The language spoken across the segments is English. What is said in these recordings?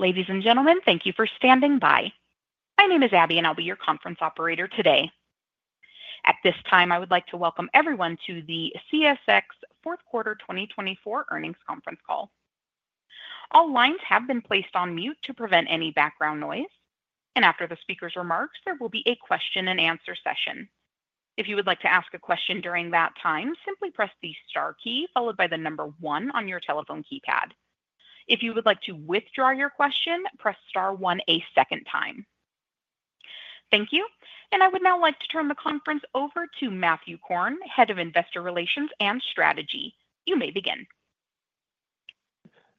Ladies and gentlemen, thank you for standing by. My name is Abby, and I'll be your conference operator today. At this time, I would like to welcome everyone to the CSX fourth quarter 2024 earnings conference call. All lines have been placed on mute to prevent any background noise, and after the speaker's remarks, there will be a question-and-answer session. If you would like to ask a question during that time, simply press the star key followed by the number one on your telephone keypad. If you would like to withdraw your question, press star one a second time. Thank you, and I would now like to turn the conference over to Matthew Korn, Head of Investor Relations and Strategy. You may begin.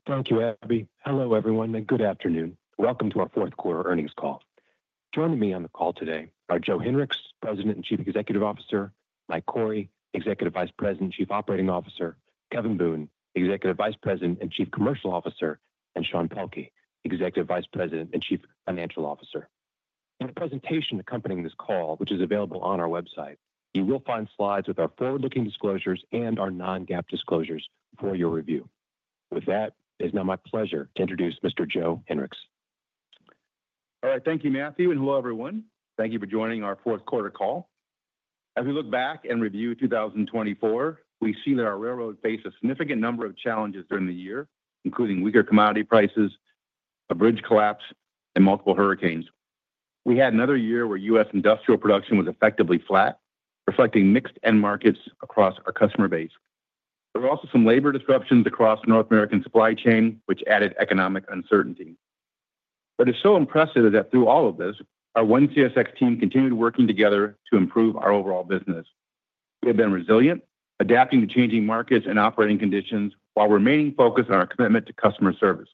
Thank you, Abby. Hello, everyone, and good afternoon. Welcome to our fourth quarter earnings call. Joining me on the call today are Joe Hinrichs, President and Chief Executive Officer, Mike Cory, Executive Vice President and Chief Operating Officer, Kevin Boone, Executive Vice President and Chief Commercial Officer, and Sean Pelkey, Executive Vice President and Chief Financial Officer. In the presentation accompanying this call, which is available on our website, you will find slides with our forward-looking disclosures and our non-GAAP disclosures for your review. With that, it is now my pleasure to introduce Mr. Joe Hinrichs. All right, thank you, Matthew, and hello, everyone. Thank you for joining our fourth quarter call. As we look back and review 2024, we see that our railroad faced a significant number of challenges during the year, including weaker commodity prices, a bridge collapse, and multiple hurricanes. We had another year where U.S. industrial production was effectively flat, reflecting mixed end markets across our customer base. There were also some labor disruptions across the North American supply chain, which added economic uncertainty. What is so impressive is that through all of this, our OneCSX team continued working together to improve our overall business. We have been resilient, adapting to changing markets and operating conditions while remaining focused on our commitment to customer service.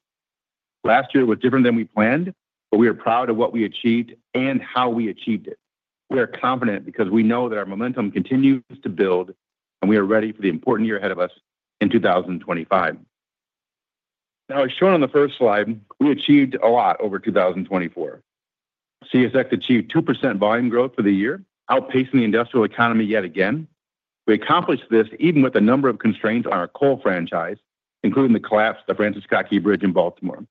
Last year was different than we planned, but we are proud of what we achieved and how we achieved it. We are confident because we know that our momentum continues to build, and we are ready for the important year ahead of us in 2025. Now, as shown on the first slide, we achieved a lot over 2024. CSX achieved 2% volume growth for the year, outpacing the industrial economy yet again. We accomplished this even with a number of constraints on our coal franchise, including the collapse of the Francis Scott Key Bridge in Baltimore.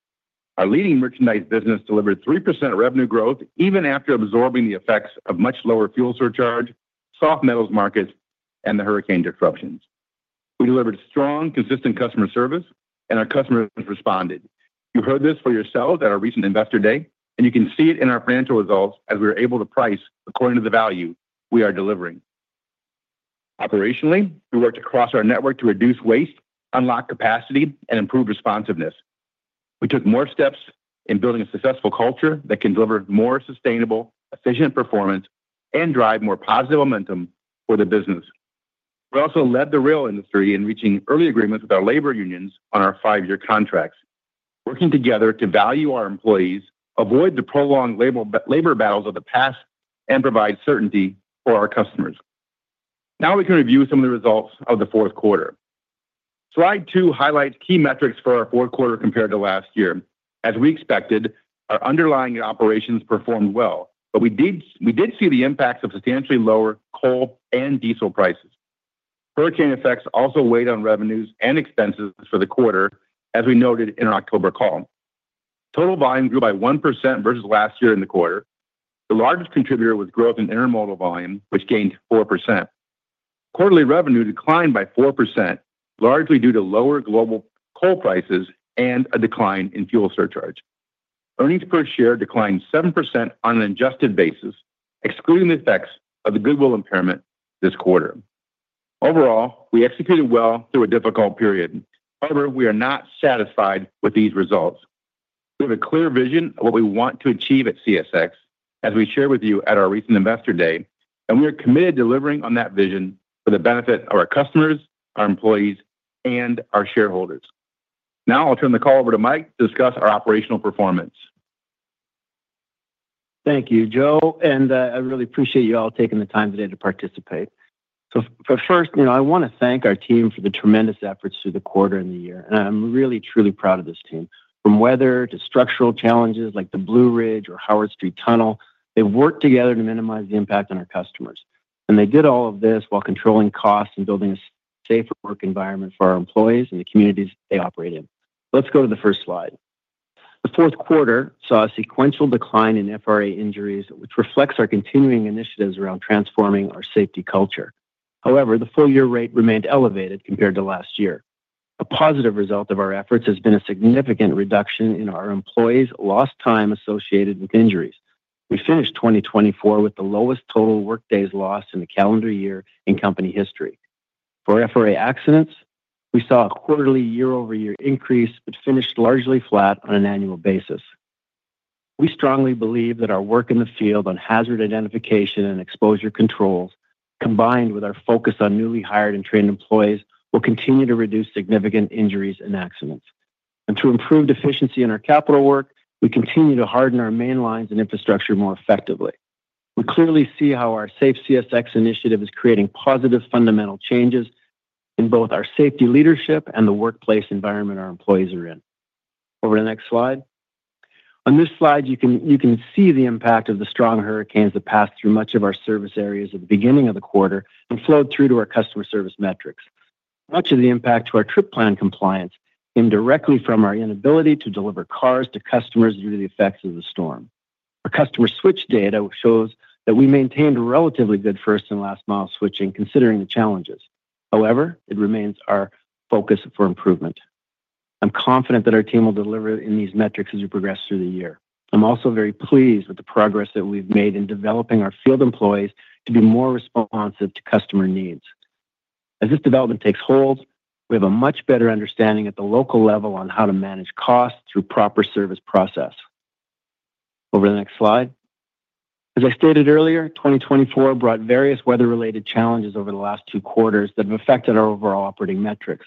Our leading merchandise business delivered 3% revenue growth even after absorbing the effects of much lower fuel surcharge, soft metals markets, and the hurricane disruptions. We delivered strong, consistent customer service, and our customers responded. You heard this for yourselves at our recent Investor Day, and you can see it in our financial results as we were able to price according to the value we are delivering. Operationally, we worked across our network to reduce waste, unlock capacity, and improve responsiveness. We took more steps in building a successful culture that can deliver more sustainable, efficient performance and drive more positive momentum for the business. We also led the rail industry in reaching early agreements with our labor unions on our five-year contracts, working together to value our employees, avoid the prolonged labor battles of the past, and provide certainty for our customers. Now we can review some of the results of the fourth quarter. Slide 2 highlights key metrics for our fourth quarter compared to last year. As we expected, our underlying operations performed well, but we did see the impacts of substantially lower coal and diesel prices. Hurricane effects also weighed on revenues and expenses for the quarter, as we noted in our October call. Total volume grew by 1% versus last year in the quarter. The largest contributor was growth in intermodal volume, which gained 4%. Quarterly revenue declined by 4%, largely due to lower global coal prices and a decline in fuel surcharge. earnings per share declined 7% on an adjusted basis, excluding the effects of the goodwill impairment this quarter. Overall, we executed well through a difficult period. However, we are not satisfied with these results. We have a clear vision of what we want to achieve at CSX, as we shared with you at our recent Investor Day, and we are committed to delivering on that vision for the benefit of our customers, our employees, and our shareholders. Now I'll turn the call over to Mike to discuss our operational performance. Thank you, Joe, and I really appreciate you all taking the time today to participate. So first, you know, I want to thank our team for the tremendous efforts through the quarter and the year, and I'm really, truly proud of this team. From weather to structural challenges like the Blue Ridge or Howard Street Tunnel, they've worked together to minimize the impact on our customers, and they did all of this while controlling costs and building a safer work environment for our employees and the communities they operate in. Let's go to the first slide. The fourth quarter saw a sequential decline in FRA injuries, which reflects our continuing initiatives around transforming our safety culture. However, the full-year rate remained elevated compared to last year. A positive result of our efforts has been a significant reduction in our employees' lost time associated with injuries. We finished 2024 with the lowest total workdays lost in the calendar year in company history. For FRA accidents, we saw a quarterly year-over-year increase but finished largely flat on an annual basis. We strongly believe that our work in the field on hazard identification and exposure controls, combined with our focus on newly hired and trained employees, will continue to reduce significant injuries and accidents. And to improve efficiency in our capital work, we continue to harden our main lines and infrastructure more effectively. We clearly see how our SafeCSX initiative is creating positive fundamental changes in both our safety leadership and the workplace environment our employees are in. Over to the next slide. On this slide, you can see the impact of the strong hurricanes that passed through much of our service areas at the beginning of the quarter and flowed through to our customer service metrics. Much of the impact to our trip plan compliance came directly from our inability to deliver cars to customers due to the effects of the storm. Our customer switch data shows that we maintained relatively good first and last-mile switching, considering the challenges. However, it remains our focus for improvement. I'm confident that our team will deliver in these metrics as we progress through the year. I'm also very pleased with the progress that we've made in developing our field employees to be more responsive to customer needs. As this development takes hold, we have a much better understanding at the local level on how to manage costs through proper service process. Over to the next slide. As I stated earlier, 2024 brought various weather-related challenges over the last two quarters that have affected our overall operating metrics.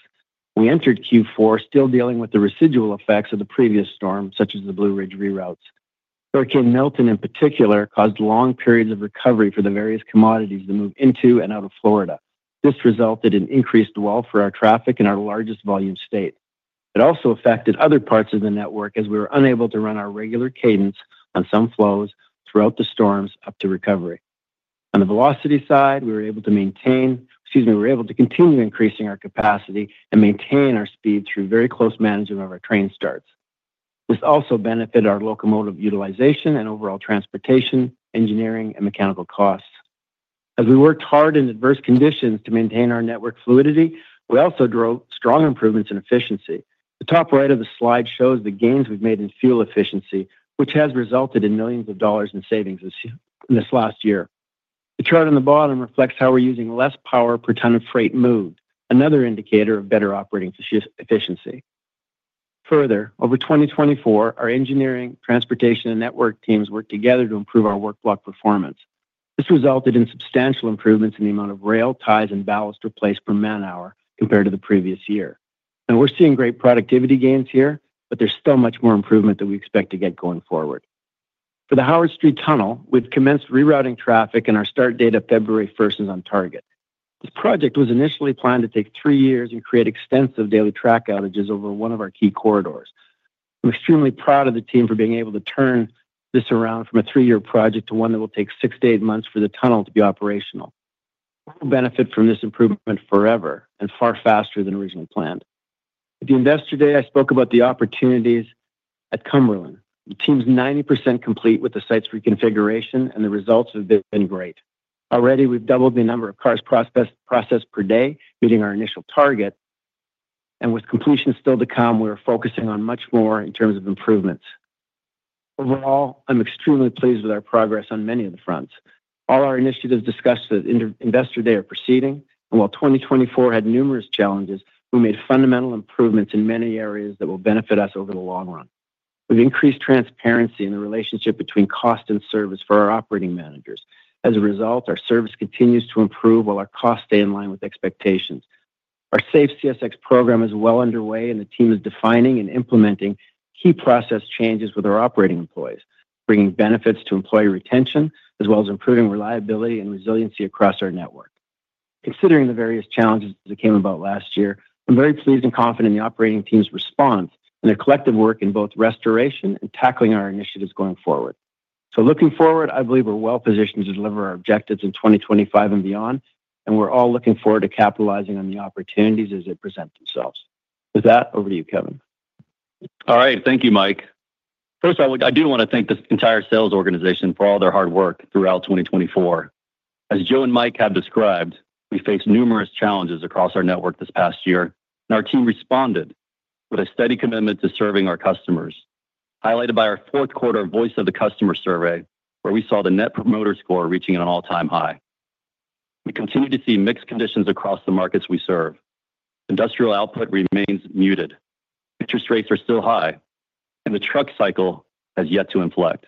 We entered Q4 still dealing with the residual effects of the previous storm, such as the Blue Ridge reroutes. Hurricane Milton, in particular, caused long periods of recovery for the various commodities that moved into and out of Florida. This resulted in increased dwell for our traffic in our largest volume state. It also affected other parts of the network as we were unable to run our regular cadence on some flows throughout the storms up to recovery. On the velocity side, we were able to maintain, excuse me, we were able to continue increasing our capacity and maintain our speed through very close management of our train starts. This also benefited our locomotive utilization and overall transportation, engineering, and mechanical costs. As we worked hard in adverse conditions to maintain our network fluidity, we also drove strong improvements in efficiency. The top right of the slide shows the gains we've made in fuel efficiency, which has resulted in millions of dollars in savings this last year. The chart on the bottom reflects how we're using less power per ton of freight moved, another indicator of better operating efficiency. Further, over 2024, our engineering, transportation, and network teams worked together to improve our work-block performance. This resulted in substantial improvements in the amount of rail, ties, and ballast replaced per man-hour compared to the previous year. And we're seeing great productivity gains here, but there's still much more improvement that we expect to get going forward. For the Howard Street Tunnel, we've commenced rerouting traffic, and our start date of February 1st is on target. This project was initially planned to take three years and create extensive daily track outages over one of our key corridors. I'm extremely proud of the team for being able to turn this around from a three-year project to one that will take six to eight months for the tunnel to be operational. We'll benefit from this improvement forever and far faster than originally planned. At the Investor Day, I spoke about the opportunities at Cumberland. The team's 90% complete with the site's reconfiguration, and the results have been great. Already, we've doubled the number of cars processed per day, meeting our initial target, and with completion still to come, we are focusing on much more in terms of improvements. Overall, I'm extremely pleased with our progress on many of the fronts. All our initiatives discussed at Investor Day are proceeding, and while 2024 had numerous challenges, we made fundamental improvements in many areas that will benefit us over the long run. We've increased transparency in the relationship between cost and service for our operating managers. As a result, our service continues to improve while our costs stay in line with expectations. Our SafeCSX program is well underway, and the team is defining and implementing key process changes with our operating employees, bringing benefits to employee retention as well as improving reliability and resiliency across our network. Considering the various challenges that came about last year, I'm very pleased and confident in the operating team's response and their collective work in both restoration and tackling our initiatives going forward. So looking forward, I believe we're well positioned to deliver our objectives in 2025 and beyond, and we're all looking forward to capitalizing on the opportunities as they present themselves. With that, over to you, Kevin. All right, thank you, Mike. First, I do want to thank the entire sales organization for all their hard work throughout 2024. As Joe and Mike have described, we faced numerous challenges across our network this past year, and our team responded with a steady commitment to serving our customers, highlighted by our fourth quarter Voice of the Customer survey, where we saw the Net Promoter Score reaching an all-time high. We continue to see mixed conditions across the markets we serve. Industrial output remains muted, interest rates are still high, and the truck cycle has yet to inflect.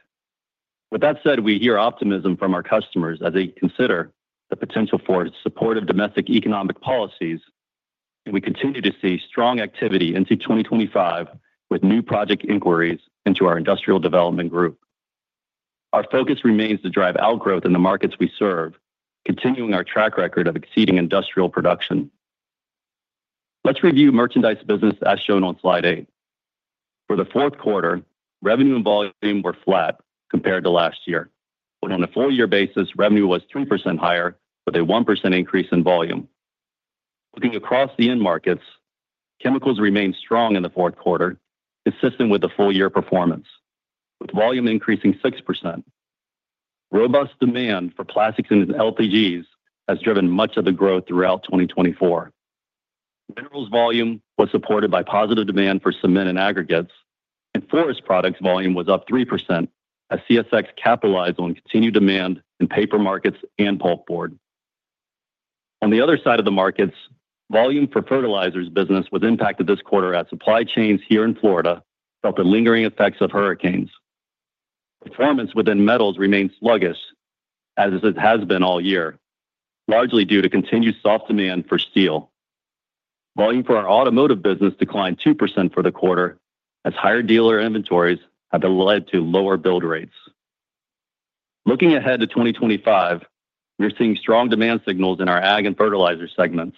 With that said, we hear optimism from our customers as they consider the potential for supportive domestic economic policies, and we continue to see strong activity into 2025 with new project inquiries into our industrial development group. Our focus remains to drive outgrowth in the markets we serve, continuing our track record of exceeding industrial production. Let's review merchandise business as shown on slide 8. For the fourth quarter, revenue and volume were flat compared to last year. On a full-year basis, revenue was 3% higher, with a 1% increase in volume. Looking across the end markets, chemicals remained strong in the fourth quarter, consistent with the full-year performance, with volume increasing 6%. Robust demand for plastics and LPGs has driven much of the growth throughout 2024. Minerals volume was supported by positive demand for cement and aggregates, and forest products volume was up 3% as CSX capitalized on continued demand in paper markets and pulpboard. On the other side of the markets, volume for fertilizers business was impacted this quarter as supply chains here in Florida felt the lingering effects of hurricanes. Performance within metals remained sluggish, as it has been all year, largely due to continued soft demand for steel. Volume for our automotive business declined 2% for the quarter as higher dealer inventories have led to lower build rates. Looking ahead to 2025, we're seeing strong demand signals in our ag and fertilizer segments,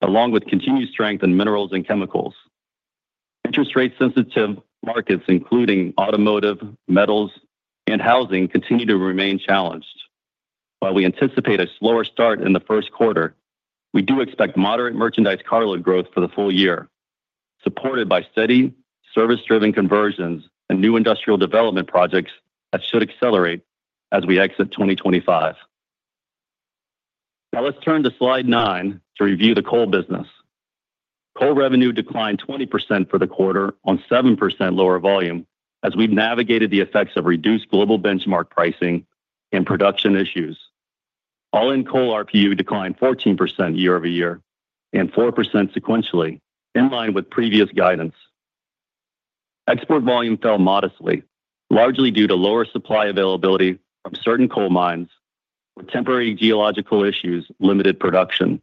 along with continued strength in minerals and chemicals. Interest rate-sensitive markets, including automotive, metals, and housing, continue to remain challenged. While we anticipate a slower start in the first quarter, we do expect moderate merchandise carload growth for the full year, supported by steady service-driven conversions and new industrial development projects that should accelerate as we exit 2025. Now let's turn to slide 9 to review the coal business. Coal revenue declined 20% for the quarter on 7% lower volume as we've navigated the effects of reduced global benchmark pricing and production issues. All-in-coal RPU declined 14% year-over-year and 4% sequentially, in line with previous guidance. Export volume fell modestly, largely due to lower supply availability from certain coal mines, with temporary geological issues limited production.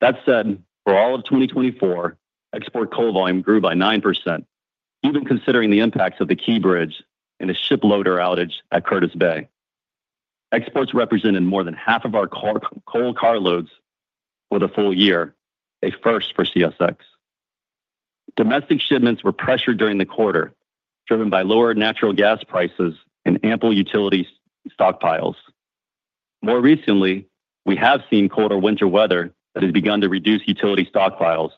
That said, for all of 2024, export coal volume grew by 9%, even considering the impacts of the Key Bridge and a ship loader outage at Curtis Bay. Exports represented more than half of our coal carloads for the full year, a first for CSX. Domestic shipments were pressured during the quarter, driven by lower natural gas prices and ample utility stockpiles. More recently, we have seen colder winter weather that has begun to reduce utility stockpiles,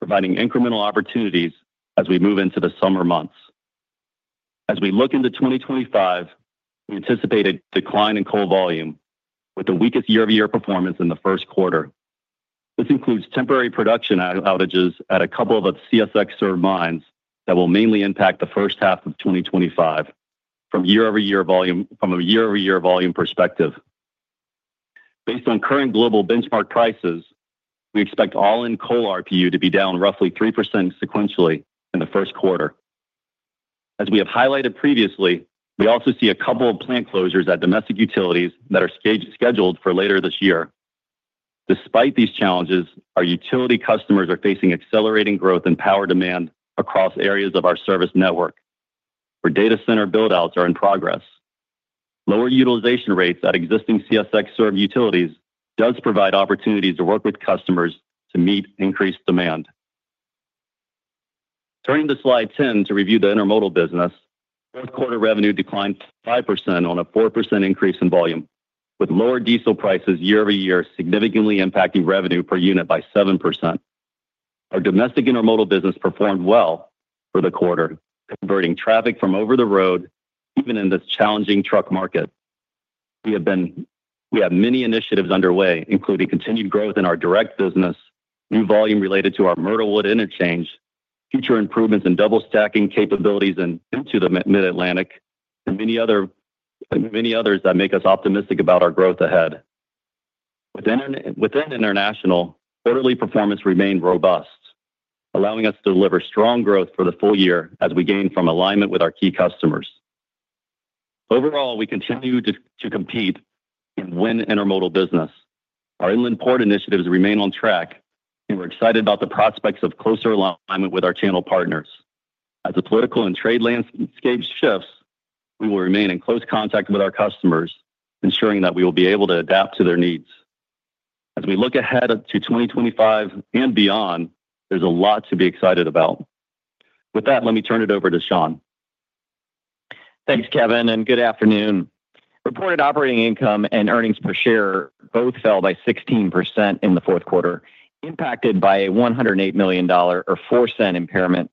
providing incremental opportunities as we move into the summer months. As we look into 2025, we anticipate a decline in coal volume, with the weakest year-over-year performance in the first quarter. This includes temporary production outages at a couple of CSX-served mines that will mainly impact the first half of 2025 from a year-over-year perspective. Based on current global benchmark prices, we expect all-in-coal RPU to be down roughly 3% sequentially in the first quarter. As we have highlighted previously, we also see a couple of plant closures at domestic utilities that are scheduled for later this year. Despite these challenges, our utility customers are facing accelerating growth in power demand across areas of our service network, where data center buildouts are in progress. Lower utilization rates at existing CSX-served utilities do provide opportunities to work with customers to meet increased demand. Turning to slide 10 to review the intermodal business, fourth quarter revenue declined 5% on a 4% increase in volume, with lower diesel prices year-over-year significantly impacting revenue per unit by 7%. Our domestic intermodal business performed well for the quarter, converting traffic from over the road even in this challenging truck market. We have many initiatives underway, including continued growth in our direct business, new volume related to our Myrtlewood interchange, future improvements in double-stacking capabilities into the Mid-Atlantic, and many others that make us optimistic about our growth ahead. Within international, quarterly performance remained robust, allowing us to deliver strong growth for the full year as we gained from alignment with our key customers. Overall, we continue to compete and win intermodal business. Our inland port initiatives remain on track, and we're excited about the prospects of closer alignment with our channel partners. As the political and trade landscape shifts, we will remain in close contact with our customers, ensuring that we will be able to adapt to their needs. As we look ahead to 2025 and beyond, there's a lot to be excited about. With that, let me turn it over to Sean. Thanks, Kevin, and good afternoon. Reported operating income and earnings per share both fell by 16% in the fourth quarter, impacted by a $108 million or $0.04 goodwill impairment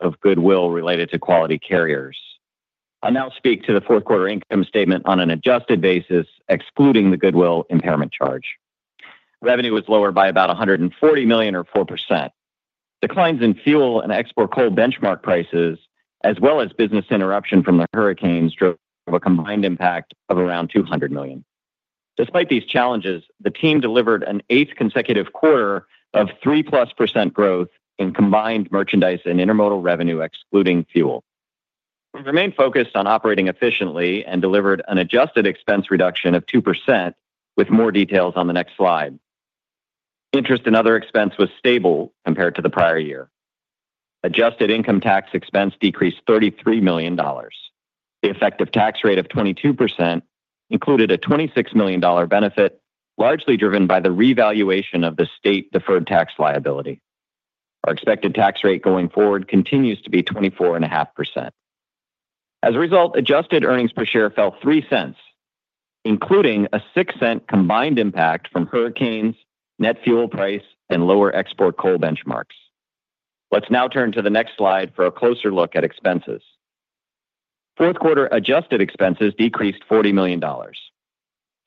related to Quality Carriers. I'll now speak to the fourth quarter income statement on an adjusted basis, excluding the goodwill impairment charge. Revenue was lower by about $140 million or 4%. Declines in fuel and export coal benchmark prices, as well as business interruption from the hurricanes, drove a combined impact of around $200 million. Despite these challenges, the team delivered an eighth consecutive quarter of 3+% growth in combined merchandise and intermodal revenue, excluding fuel. We remained focused on operating efficiently and delivered an adjusted expense reduction of 2%, with more details on the next slide. Interest and other expense was stable compared to the prior year. Adjusted income tax expense decreased $33 million. The effective tax rate of 22% included a $26 million benefit, largely driven by the revaluation of the state-deferred tax liability. Our expected tax rate going forward continues to be 24.5%. As a result, adjusted earnings per share fell $0.03, including a $0.06 combined impact from hurricanes, net fuel price, and lower export coal benchmarks. Let's now turn to the next slide for a closer look at expenses. fourth quarter adjusted expenses decreased $40 million.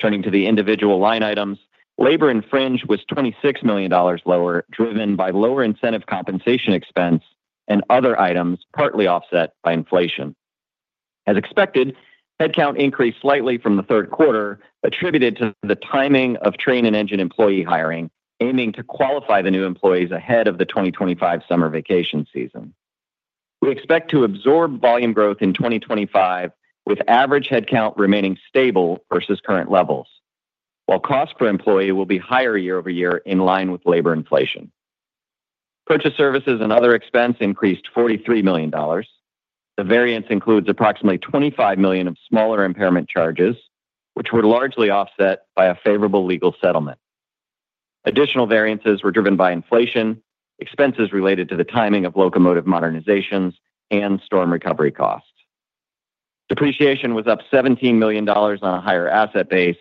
Turning to the individual line items, labor expense was $26 million lower, driven by lower incentive compensation expense and other items partly offset by inflation. As expected, headcount increased slightly from the third quarter, attributed to the timing of train and engine employee hiring, aiming to qualify the new employees ahead of the 2025 summer vacation season. We expect to absorb volume growth in 2025, with average headcount remaining stable versus current levels, while cost per employee will be higher year-over-year in line with labor inflation. Purchased Services and Other expense increased $43 million. The variance includes approximately $25 million of smaller impairment charges, which were largely offset by a favorable legal settlement. Additional variances were driven by inflation, expenses related to the timing of locomotive modernizations, and storm recovery costs. Depreciation was up $17 million on a higher asset base,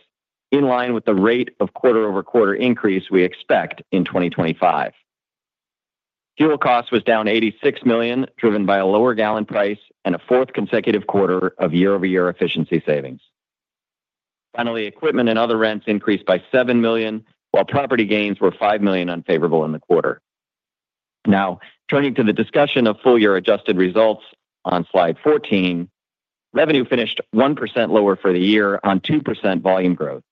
in line with the rate of quarter-over-quarter increase we expect in 2025. Fuel costs was down $86 million, driven by a lower gallon price and a fourth consecutive quarter of year-over-year efficiency savings. Finally, equipment and other rents increased by $7 million, while property gains were $5 million unfavorable in the quarter. Now, turning to the discussion of full-year adjusted results on slide 14, revenue finished 1% lower for the year on 2% volume growth,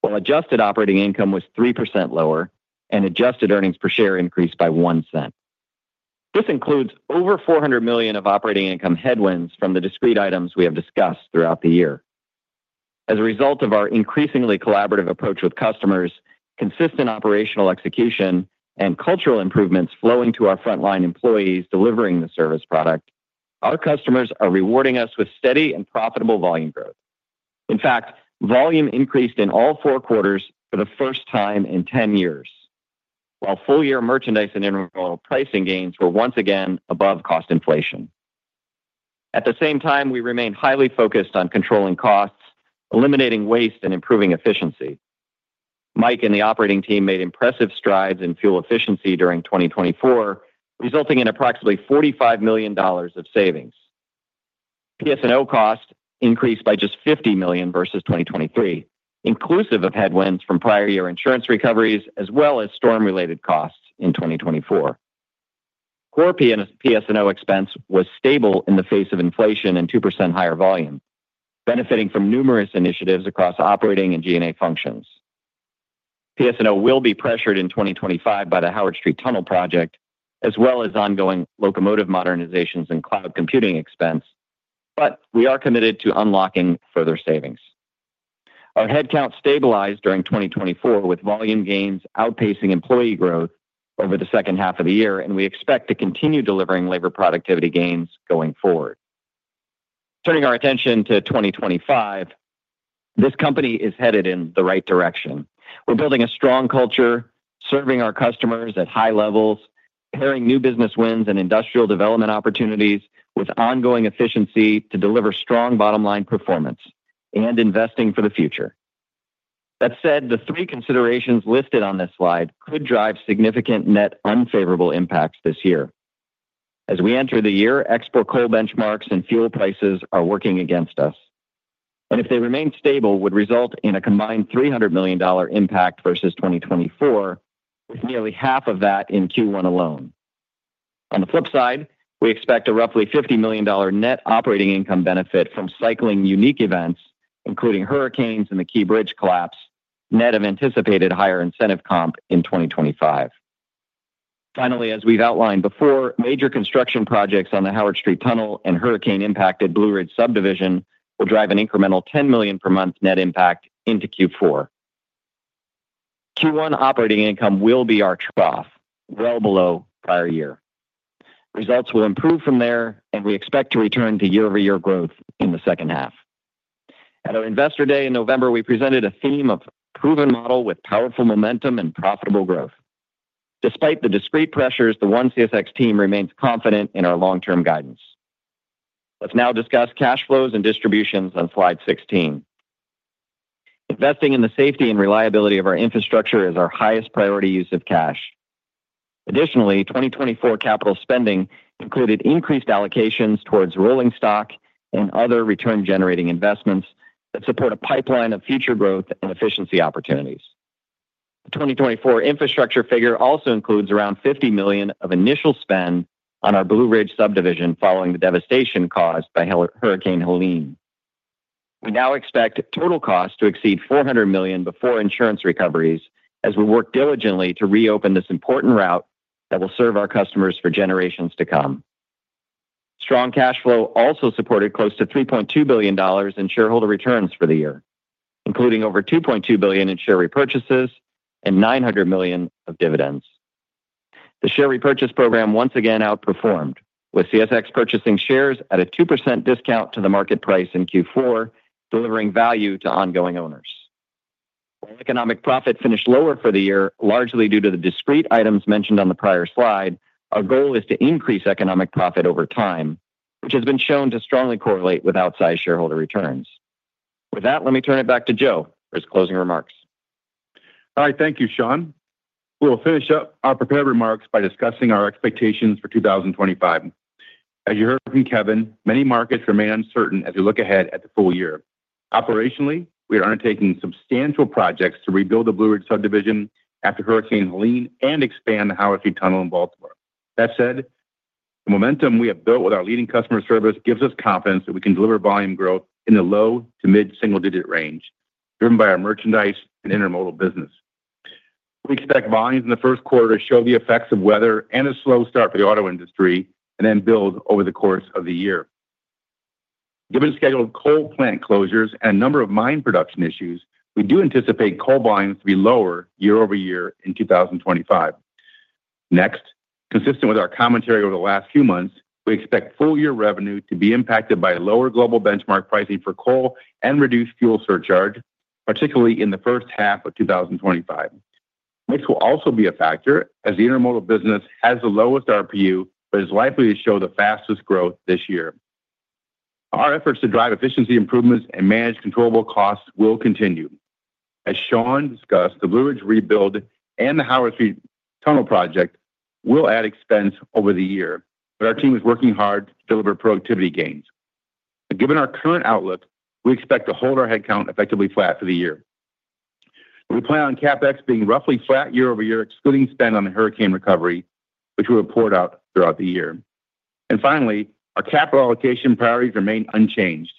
while adjusted operating income was 3% lower and adjusted earnings per share increased by $0.01. This includes over $400 million of operating income headwinds from the discrete items we have discussed throughout the year. As a result of our increasingly collaborative approach with customers, consistent operational execution, and cultural improvements flowing to our frontline employees delivering the service product, our customers are rewarding us with steady and profitable volume growth. In fact, volume increased in all four quarters for the first time in 10 years, while full-year merchandise and intermodal pricing gains were once again above cost inflation. At the same time, we remain highly focused on controlling costs, eliminating waste, and improving efficiency. Mike and the operating team made impressive strides in fuel efficiency during 2024, resulting in approximately $45 million of savings. PS&O costs increased by just $50 million versus 2023, inclusive of headwinds from prior year insurance recoveries as well as storm-related costs in 2024. Core PS&O expense was stable in the face of inflation and 2% higher volume, benefiting from numerous initiatives across operating and G&A functions. PS&O will be pressured in 2025 by the Howard Street Tunnel project, as well as ongoing locomotive modernizations and cloud computing expense, but we are committed to unlocking further savings. Our headcount stabilized during 2024, with volume gains outpacing employee growth over the second half of the year, and we expect to continue delivering labor productivity gains going forward. Turning our attention to 2025, this company is headed in the right direction. We're building a strong culture, serving our customers at high levels, pairing new business wins and industrial development opportunities with ongoing efficiency to deliver strong bottom-line performance and investing for the future. That said, the three considerations listed on this slide could drive significant net unfavorable impacts this year. As we enter the year, export coal benchmarks and fuel prices are working against us, and if they remain stable, it would result in a combined $300 million impact versus 2024, with nearly half of that in Q1 alone. On the flip side, we expect a roughly $50 million net operating income benefit from cycling unique events, including hurricanes and the Key Bridge collapse, net of anticipated higher incentive comp in 2025. Finally, as we've outlined before, major construction projects on the Howard Street Tunnel and hurricane-impacted Blue Ridge Subdivision will drive an incremental $10 million per month net impact into Q4. Q1 operating income will be our trough, well below prior year. Results will improve from there, and we expect to return to year-over-year growth in the second half. At our investor day in November, we presented a theme of proven model with powerful momentum and profitable growth. Despite the discrete pressures, the OneCSX team remains confident in our long-term guidance. Let's now discuss cash flows and distributions on slide 16. Investing in the safety and reliability of our infrastructure is our highest priority use of cash. Additionally, 2024 capital spending included increased allocations towards rolling stock and other return-generating investments that support a pipeline of future growth and efficiency opportunities. The 2024 infrastructure figure also includes around $50 million of initial spend on our Blue Ridge Subdivision following the devastation caused by Hurricane Helene. We now expect total costs to exceed $400 million before insurance recoveries as we work diligently to reopen this important route that will serve our customers for generations to come. Strong cash flow also supported close to $3.2 billion in shareholder returns for the year, including over $2.2 billion in share repurchases and $900 million of dividends. The share repurchase program once again outperformed, with CSX purchasing shares at a 2% discount to the market price in Q4, delivering value to ongoing owners. While economic profit finished lower for the year, largely due to the discrete items mentioned on the prior slide, our goal is to increase economic profit over time, which has been shown to strongly correlate with outsized shareholder returns. With that, let me turn it back to Joe for his closing remarks. All right, thank you, Sean. We'll finish up our prepared remarks by discussing our expectations for 2025. As you heard from Kevin, many markets remain uncertain as we look ahead at the full year. Operationally, we are undertaking substantial projects to rebuild the Blue Ridge Subdivision after Hurricane Helene and expand the Howard Street Tunnel in Baltimore. That said, the momentum we have built with our leading customer service gives us confidence that we can deliver volume growth in the low to mid-single-digit range, driven by our merchandise and intermodal business. We expect volumes in the first quarter to show the effects of weather and a slow start for the auto industry and then build over the course of the year. Given scheduled coal plant closures and a number of mine production issues, we do anticipate coal volumes to be lower year-over-year in 2025. Next, consistent with our commentary over the last few months, we expect full-year revenue to be impacted by lower global benchmark pricing for coal and reduced fuel surcharge, particularly in the first half of 2025. Mix will also be a factor as the intermodal business has the lowest RPU but is likely to show the fastest growth this year. Our efforts to drive efficiency improvements and manage controllable costs will continue. As Sean discussed, the Blue Ridge rebuild and the Howard Street Tunnel project will add expense over the year, but our team is working hard to deliver productivity gains. Given our current outlook, we expect to hold our headcount effectively flat for the year. We plan on CapEx being roughly flat year-over-year, excluding spend on the hurricane recovery, which we report out throughout the year. And finally, our capital allocation priorities remain unchanged.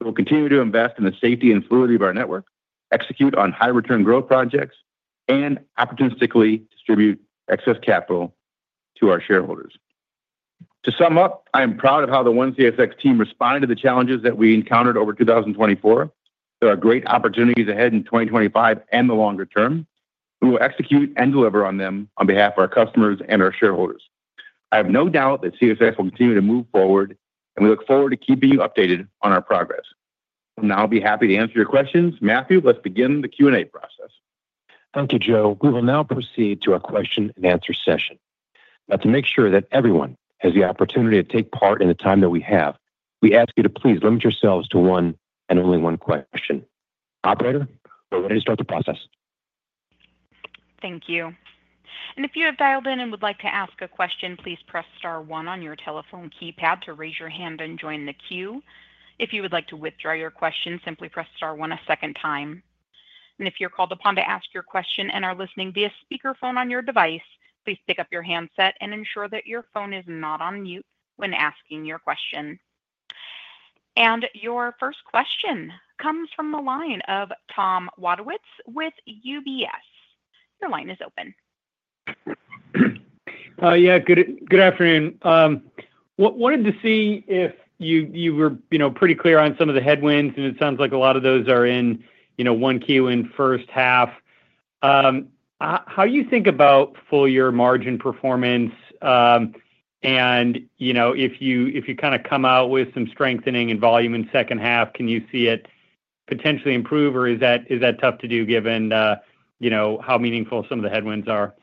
We will continue to invest in the safety and fluidity of our network, execute on high-return growth projects, and opportunistically distribute excess capital to our shareholders. To sum up, I am proud of how the one CSX team responded to the challenges that we encountered over 2024. There are great opportunities ahead in 2025 and the longer term. We will execute and deliver on them on behalf of our customers and our shareholders. I have no doubt that CSX will continue to move forward, and we look forward to keeping you updated on our progress. We'll now be happy to answer your questions. Matthew, let's begin the Q&A process. Thank you, Joe. We will now proceed to our question-and-answer session. Now, to make sure that everyone has the opportunity to take part in the time that we have, we ask you to please limit yourselves to one and only one question. Operator, we're ready to start the process. Thank you. And if you have dialed in and would like to ask a question, please press star one on your telephone keypad to raise your hand and join the queue. If you would like to withdraw your question, simply press star one a second time. And if you're called upon to ask your question and are listening via speakerphone on your device, please pick up your handset and ensure that your phone is not on mute when asking your question. And your first question comes from the line of Tom Wadewitz with UBS. Your line is open. Yeah, good afternoon. Wanted to see if you were pretty clear on some of the headwinds, and it sounds like a lot of those are in Q1 in first half. How do you think about full-year margin performance? And if you kind of come out with some strengthening and volume in second half, can you see it potentially improve, or is that tough to do given how meaningful some of the headwinds are?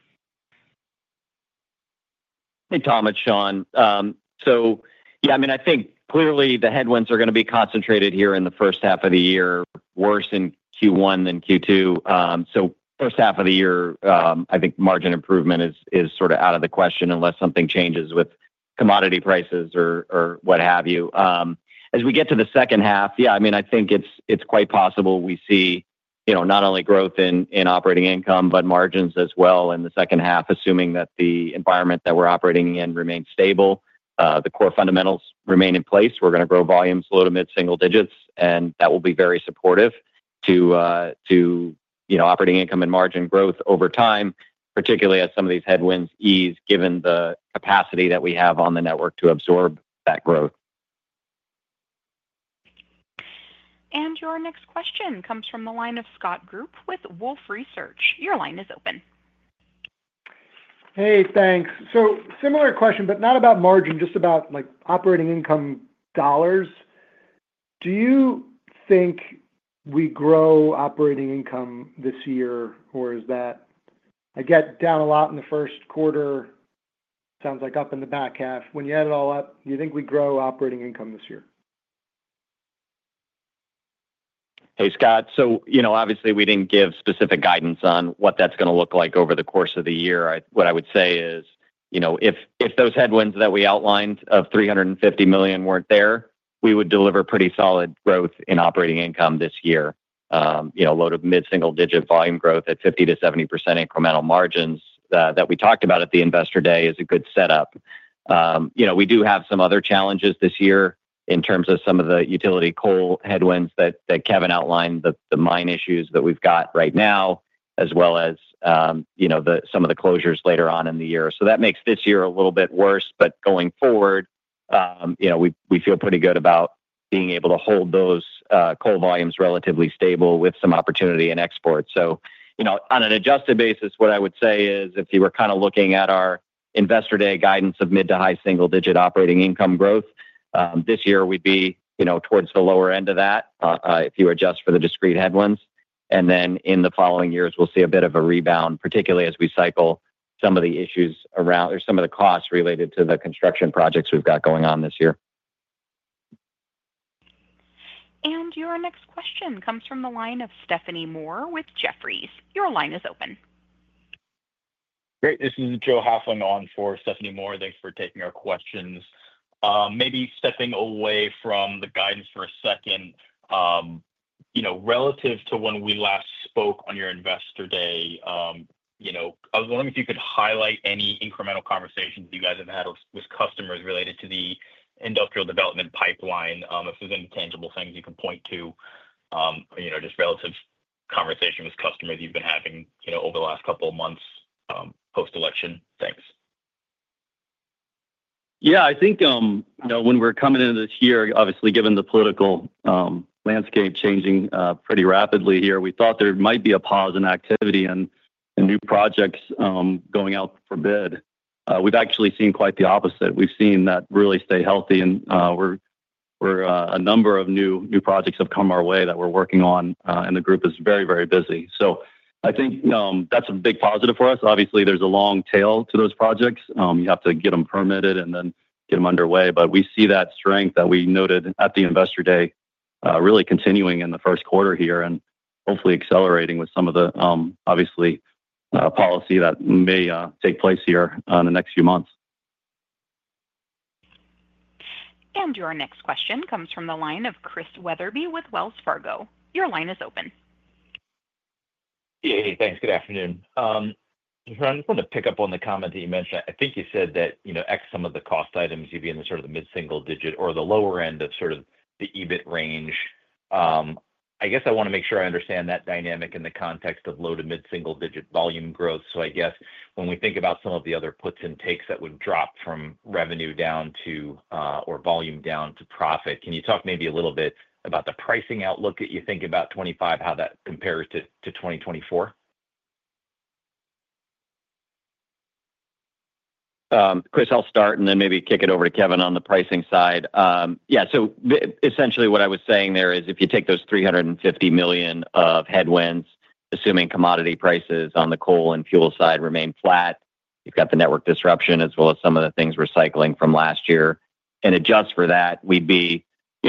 Hey, Tom, it's Sean. So yeah, I mean, I think clearly the headwinds are going to be concentrated here in the first half of the year, worse in Q1 than Q2. So first half of the year, I think margin improvement is sort of out of the question unless something changes with commodity prices or what have you. As we get to the second half, yeah, I mean, I think it's quite possible we see not only growth in operating income, but margins as well in the second half, assuming that the environment that we're operating in remains stable, the core fundamentals remain in place. We're going to grow volumes low to mid-single digits, and that will be very supportive to operating income and margin growth over time, particularly as some of these headwinds ease given the capacity that we have on the network to absorb that growth. And your next question comes from the line of Scott Group with Wolfe Research. Your line is open. Hey, thanks. So similar question, but not about margin, just about operating income dollars. Do you think we grow operating income this year, or is it down a lot in the first quarter? Sounds like up in the back half. When you add it all up, do you think we grow operating income this year? Hey, Scott. So obviously, we didn't give specific guidance on what that's going to look like over the course of the year. What I would say is if those headwinds that we outlined of $350 million weren't there, we would deliver pretty solid growth in operating income this year, low to mid-single-digit volume growth at 50%-70% incremental margins that we talked about at the investor day is a good setup. We do have some other challenges this year in terms of some of the utility coal headwinds that Kevin outlined, the mine issues that we've got right now, as well as some of the closures later on in the year. So that makes this year a little bit worse, but going forward, we feel pretty good about being able to hold those coal volumes relatively stable with some opportunity in exports. So on an adjusted basis, what I would say is if you were kind of looking at our investor day guidance of mid to high single-digit operating income growth, this year we'd be towards the lower end of that if you adjust for the discrete headwinds. And then in the following years, we'll see a bit of a rebound, particularly as we cycle some of the issues around or some of the costs related to the construction projects we've got going on this year. Your next question comes from the line of Stephanie Moore with Jefferies. Your line is open. Great. This is Joe Hoffman on for Stephanie Moore. Thanks for taking our questions. Maybe stepping away from the guidance for a second, relative to when we last spoke on your investor day, I was wondering if you could highlight any incremental conversations you guys have had with customers related to the industrial development pipeline, if there's any tangible things you can point to, just relative conversations with customers you've been having over the last couple of months post-election. Thanks. Yeah, I think when we're coming into this year, obviously, given the political landscape changing pretty rapidly here, we thought there might be a pause in activity and new projects going out for bid. We've actually seen quite the opposite. We've seen that really stay healthy, and a number of new projects have come our way that we're working on, and the group is very, very busy. So I think that's a big positive for us. Obviously, there's a long tail to those projects. You have to get them permitted and then get them underway. But we see that strength that we noted at the investor day really continuing in the first quarter here and hopefully accelerating with some of the, obviously, policy that may take place here in the next few months. And your next question comes from the line of Chris Wetherbee with Wells Fargo. Your line is open. Hey, hey, thanks. Good afternoon. Sean, I just wanted to pick up on the comment that you mentioned. I think you said that CSX some of the cost items even in the sort of the mid-single digit or the lower end of sort of the EBIT range. I guess I want to make sure I understand that dynamic in the context of low to mid-single digit volume growth. So I guess when we think about some of the other puts and takes that would drop from revenue down to or volume down to profit, can you talk maybe a little bit about the pricing outlook that you think about 2025, how that compares to 2024? Chris, I'll start and then maybe kick it over to Kevin on the pricing side. Yeah, so essentially what I was saying there is if you take those $350 million of headwinds, assuming commodity prices on the coal and fuel side remain flat, you've got the network disruption as well as some of the things recycling from last year, and adjust for that, we'd be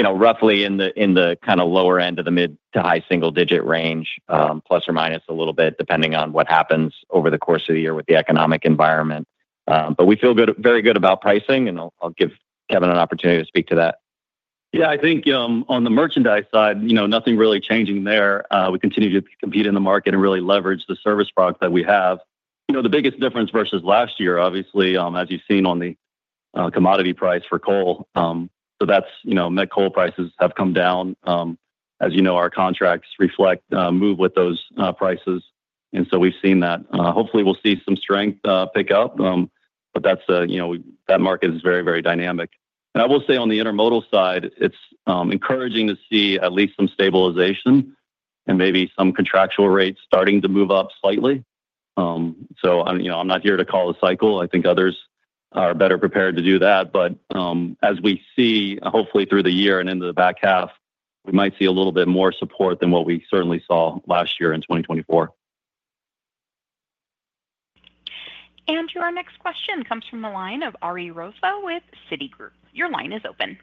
roughly in the kind of lower end of the mid to high single-digit range, plus or minus a little bit, depending on what happens over the course of the year with the economic environment, but we feel very good about pricing, and I'll give Kevin an opportunity to speak to that. Yeah, I think on the merchandise side, nothing really changing there. We continue to compete in the market and really leverage the service products that we have. The biggest difference versus last year, obviously, as you've seen on the commodity price for coal. So that's met coal prices have come down. As you know, our contracts reflect move with those prices. And so we've seen that. Hopefully, we'll see some strength pick up, but that market is very, very dynamic. And I will say on the intermodal side, it's encouraging to see at least some stabilization and maybe some contractual rates starting to move up slightly. So I'm not here to call a cycle. I think others are better prepared to do that. But as we see, hopefully through the year and into the back half, we might see a little bit more support than what we certainly saw last year in 2024. And your next question comes from the line of Ari Rosa with Citigroup. Your line is open.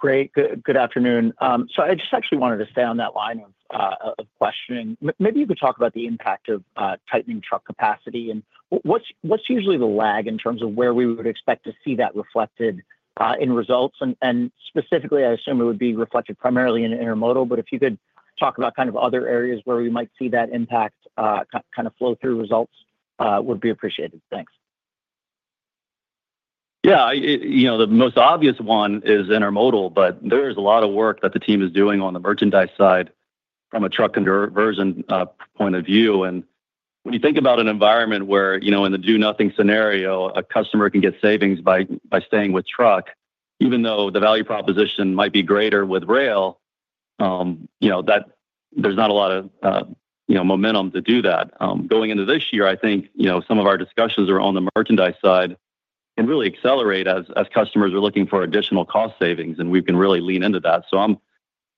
Great. Good afternoon. So I just actually wanted to stay on that line of questioning. Maybe you could talk about the impact of tightening truck capacity and what's usually the lag in terms of where we would expect to see that reflected in results. And specifically, I assume it would be reflected primarily in intermodal, but if you could talk about kind of other areas where we might see that impact kind of flow through results, would be appreciated. Thanks. Yeah, the most obvious one is intermodal, but there is a lot of work that the team is doing on the merchandise side from a truck and diversion point of view, and when you think about an environment where in the do-nothing scenario, a customer can get savings by staying with truck, even though the value proposition might be greater with rail, there's not a lot of momentum to do that. Going into this year, I think some of our discussions are on the merchandise side and really accelerate as customers are looking for additional cost savings, and we can really lean into that. So I'm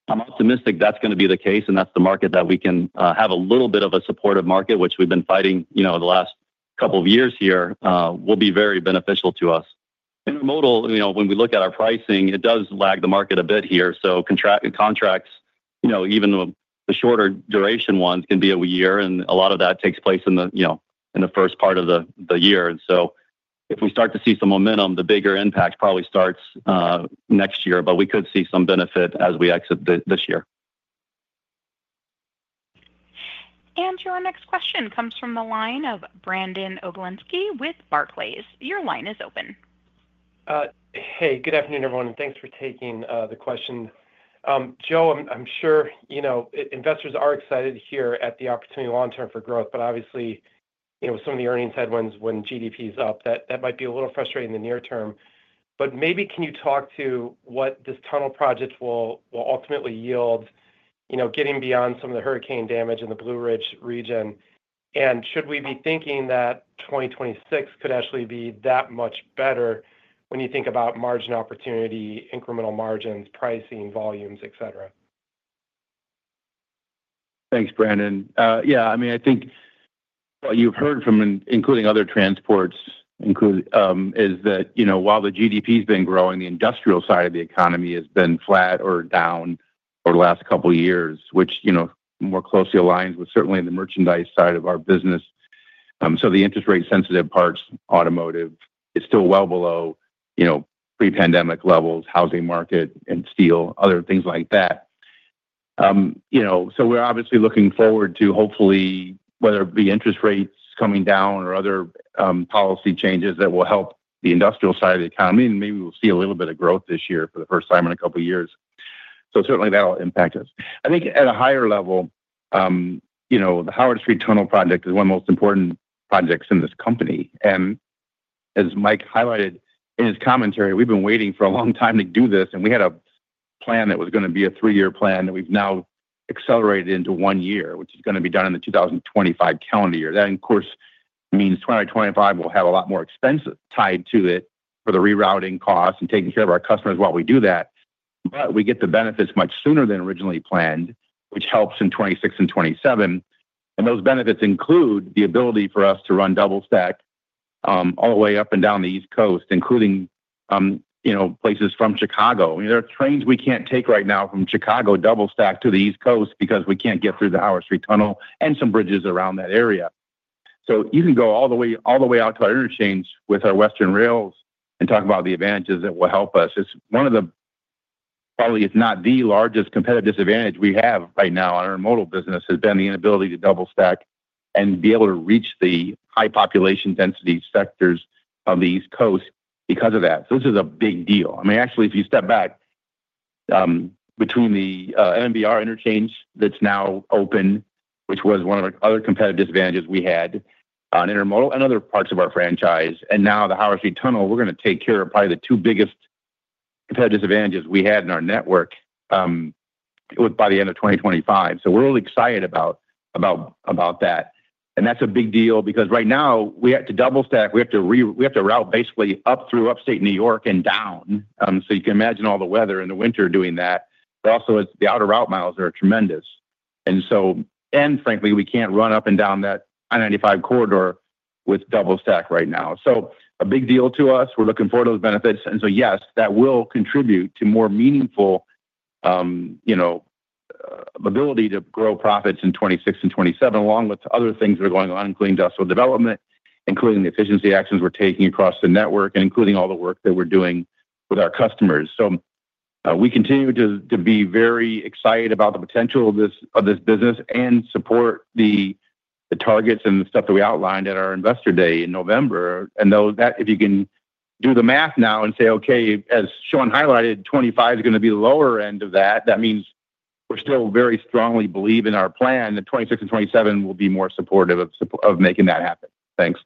optimistic that's going to be the case, and that's the market that we can have a little bit of a supportive market, which we've been fighting the last couple of years here, will be very beneficial to us. Intermodal, when we look at our pricing, it does lag the market a bit here. So contracts, even the shorter duration ones, can be a year, and a lot of that takes place in the first part of the year. And so if we start to see some momentum, the bigger impact probably starts next year, but we could see some benefit as we exit this year. Your next question comes from the line of Brandon Oglenski with Barclays. Your line is open. Hey, good afternoon, everyone, and thanks for taking the question. Joe, I'm sure investors are excited here at the opportunity long-term for growth, but obviously, with some of the earnings headwinds when GDP is up, that might be a little frustrating in the near term. But maybe can you talk to what this tunnel project will ultimately yield, getting beyond some of the hurricane damage in the Blue Ridge region? And should we be thinking that 2026 could actually be that much better when you think about margin opportunity, incremental margins, pricing, volumes, etc.? Thanks, Brandon. Yeah, I mean, I think what you've heard from, including other transports, is that while the GDP has been growing, the industrial side of the economy has been flat or down over the last couple of years, which more closely aligns with certainly the merchandise side of our business. So the interest rate-sensitive parts, automotive, is still well below pre-pandemic levels, housing market, and steel, other things like that. So we're obviously looking forward to hopefully, whether it be interest rates coming down or other policy changes that will help the industrial side of the economy, and maybe we'll see a little bit of growth this year for the first time in a couple of years. So certainly, that'll impact us. I think at a higher level, the Howard Street Tunnel Project is one of the most important projects in this company. As Mike highlighted in his commentary, we've been waiting for a long time to do this, and we had a plan that was going to be a three-year plan that we've now accelerated into one year, which is going to be done in the 2025 calendar year. That, of course, means 2025 will have a lot more expenses tied to it for the rerouting costs and taking care of our customers while we do that. But we get the benefits much sooner than originally planned, which helps in 2026 and 2027. Those benefits include the ability for us to run double stack all the way up and down the East Coast, including places from Chicago. There are trains we can't take right now from Chicago double stack to the East Coast because we can't get through the Howard Street Tunnel and some bridges around that area. So you can go all the way out to our interchange with our Western rails and talk about the advantages that will help us. It's one of the, probably it's not the largest competitive disadvantage we have right now on our modal business has been the inability to double stack and be able to reach the high population density sectors of the East Coast because of that. So this is a big deal. I mean, actually, if you step back between the MNBR interchange that's now open, which was one of our other competitive disadvantages we had on intermodal and other parts of our franchise, and now the Howard Street Tunnel, we're going to take care of probably the two biggest competitive disadvantages we had in our network by the end of 2025. So we're really excited about that. And that's a big deal because right now, we have to double stack. We have to route basically up through Upstate New York and down. So you can imagine all the weather in the winter doing that. But also, the outer route miles are tremendous. And frankly, we can't run up and down that I-95 corridor with double stack right now. So a big deal to us. We're looking forward to those benefits. And so yes, that will contribute to more meaningful ability to grow profits in 2026 and 2027, along with other things that are going on, including industrial development, including the efficiency actions we're taking across the network, and including all the work that we're doing with our customers. So we continue to be very excited about the potential of this business and support the targets and the stuff that we outlined at our investor day in November. Though that, if you can do the math now and say, "Okay, as Sean highlighted, 2025 is going to be the lower end of that," that means we're still very strongly believe in our plan that 2026 and 2027 will be more supportive of making that happen. Thanks.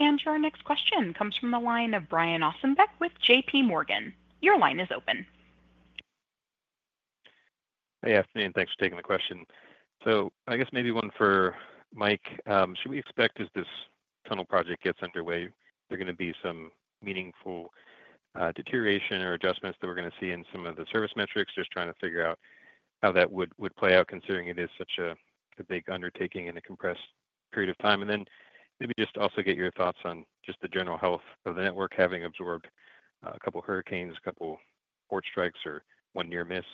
And your next question comes from the line of Brian Ossenbeck with J.P. Morgan. Your line is open. Hey, afternoon. Thanks for taking the question. So I guess maybe one for Mike. Should we expect as this tunnel project gets underway, there are going to be some meaningful deterioration or adjustments that we're going to see in some of the service metrics, just trying to figure out how that would play out considering it is such a big undertaking in a compressed period of time? And then maybe just also get your thoughts on just the general health of the network having absorbed a couple of hurricanes, a couple of port strikes, or one near miss.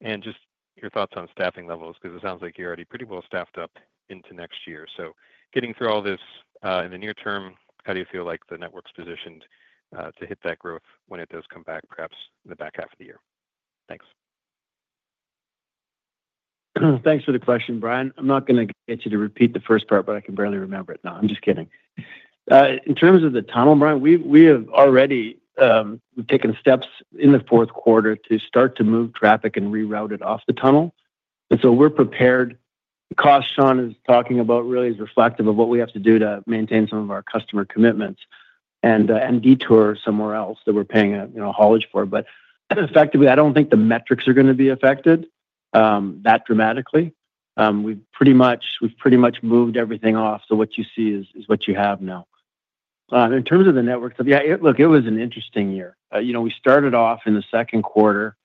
And just your thoughts on staffing levels because it sounds like you're already pretty well staffed up into next year. So getting through all this in the near term, how do you feel like the network's positioned to hit that growth when it does come back, perhaps in the back half of the year? Thanks. Thanks for the question, Brian. I'm not going to get you to repeat the first part, but I can barely remember it now. I'm just kidding. In terms of the tunnel, Brian, we have already taken steps in the fourth quarter to start to move traffic and rerouted off the tunnel. So we're prepared. The cost Sean is talking about really is reflective of what we have to do to maintain some of our customer commitments and detour somewhere else that we're paying a haulage for. Effectively, I don't think the metrics are going to be affected that dramatically. We've pretty much moved everything off, so what you see is what you have now. In terms of the network, yeah, look, it was an interesting year. We started off in the second quarter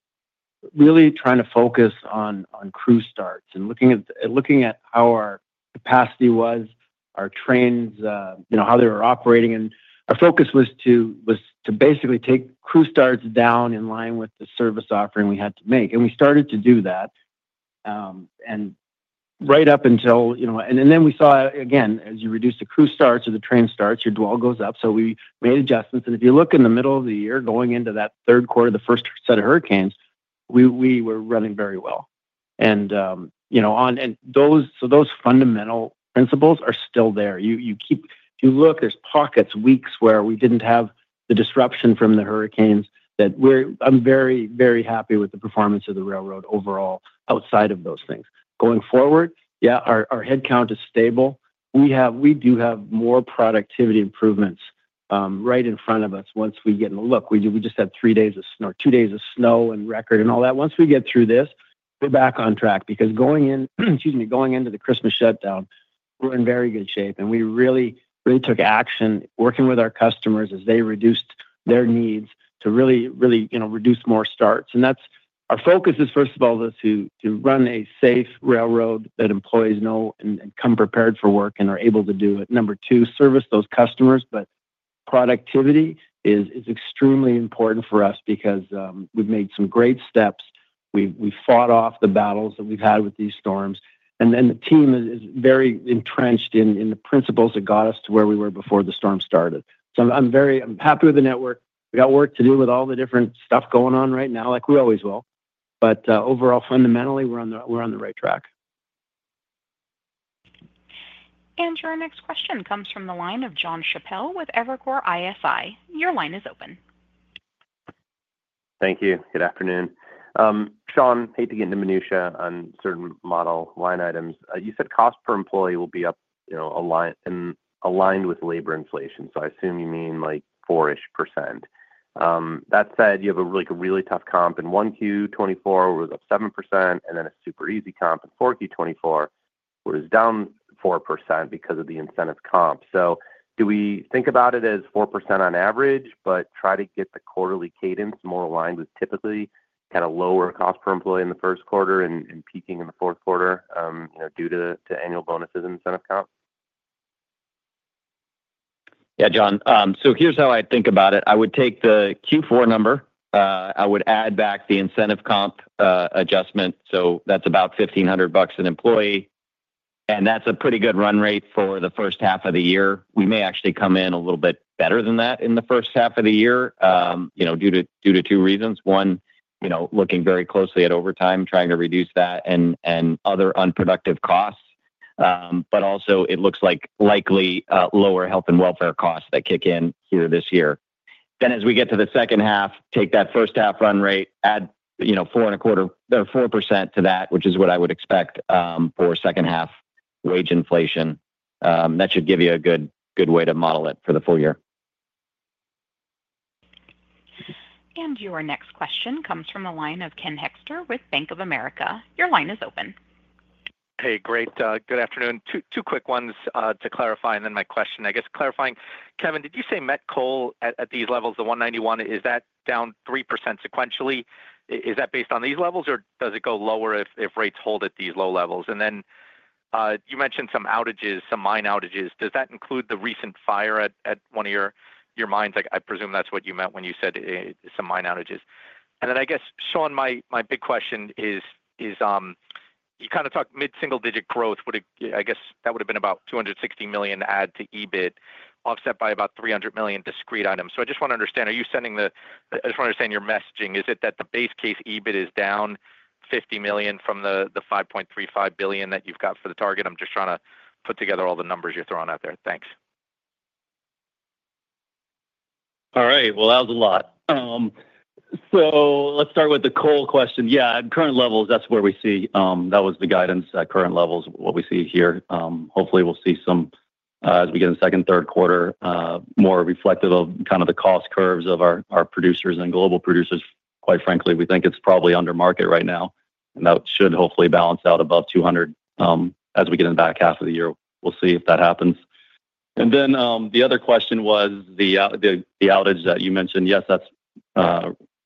really trying to focus on crew starts and looking at how our capacity was, our trains, how they were operating. And our focus was to basically take crew starts down in line with the service offering we had to make. And we started to do that. And right up until and then we saw, again, as you reduce the crew starts or the train starts, your dwell goes up. So we made adjustments. And if you look in the middle of the year going into that third quarter, the first set of hurricanes, we were running very well. And so those fundamental principles are still there. You look, there's pockets, weeks where we didn't have the disruption from the hurricanes that I'm very, very happy with the performance of the railroad overall outside of those things. Going forward, yeah, our headcount is stable. We do have more productivity improvements right in front of us once we get in the look. We just had three days of snow, two days of snow and record and all that. Once we get through this, we're back on track because going into the Christmas shutdown, we're in very good shape. And we really took action working with our customers as they reduced their needs to really, really reduce more starts. And our focus is, first of all, to run a safe railroad that employees know and come prepared for work and are able to do it. Number two, service those customers. But productivity is extremely important for us because we've made some great steps. We fought off the battles that we've had with these storms. And then the team is very entrenched in the principles that got us to where we were before the storm started. So I'm happy with the network. We got work to do with all the different stuff going on right now, like we always will. But overall, fundamentally, we're on the right track. Your next question comes from the line of Jon Chappell with Evercore ISI. Your line is open. Thank you. Good afternoon. Sean, hate to get into minutiae on certain model line items. You said cost per employee will be aligned with labor inflation. So I assume you mean like four-ish %. That said, you have a really tough comp in 1Q24, where it was up 7%, and then a super easy comp in 4Q24, where it was down 4% because of the incentive comp. So do we think about it as 4% on average, but try to get the quarterly cadence more aligned with typically kind of lower cost per employee in the first quarter and peaking in the fourth quarter due to annual bonuses and incentive comp? Yeah, Jon. So here's how I think about it. I would take the Q4 number. I would add back the incentive comp adjustment. So that's about $1,500 an employee. And that's a pretty good run rate for the first half of the year. We may actually come in a little bit better than that in the first half of the year due to two reasons. One, looking very closely at overtime, trying to reduce that, and other unproductive costs. But also, it looks like likely lower health and welfare costs that kick in here this year. Then as we get to the second half, take that first half run rate, add 4% to that, which is what I would expect for second half wage inflation. That should give you a good way to model it for the full year. And your next question comes from the line of Ken Hoexter with Bank of America. Your line is open. Hey, great. Good afternoon. Two quick ones to clarify and then my question. I guess clarifying, Kevin, did you say Met coal at these levels, the 191, is that down 3% sequentially? Is that based on these levels, or does it go lower if rates hold at these low levels? And then you mentioned some outages, some mine outages. Does that include the recent fire at one of your mines? I presume that's what you meant when you said some mine outages. And then I guess, Sean, my big question is you kind of talked mid-single-digit growth. I guess that would have been about $260 million add to EBIT, offset by about $300 million discrete items. So I just want to understand, are you sending the I just want to understand your messaging. Is it that the base case EBIT is down $50 million from the $5.35 billion that you've got for the target? I'm just trying to put together all the numbers you're throwing out there. Thanks. All right. Well, that was a lot. So let's start with the coal question. Yeah, current levels, that's where we see that was the guidance at current levels, what we see here. Hopefully, we'll see some as we get in the second, third quarter, more reflective of kind of the cost curves of our producers and global producers. Quite frankly, we think it's probably under market right now. And that should hopefully balance out above 200 as we get in the back half of the year. We'll see if that happens. And then the other question was the outage that you mentioned. Yes, that's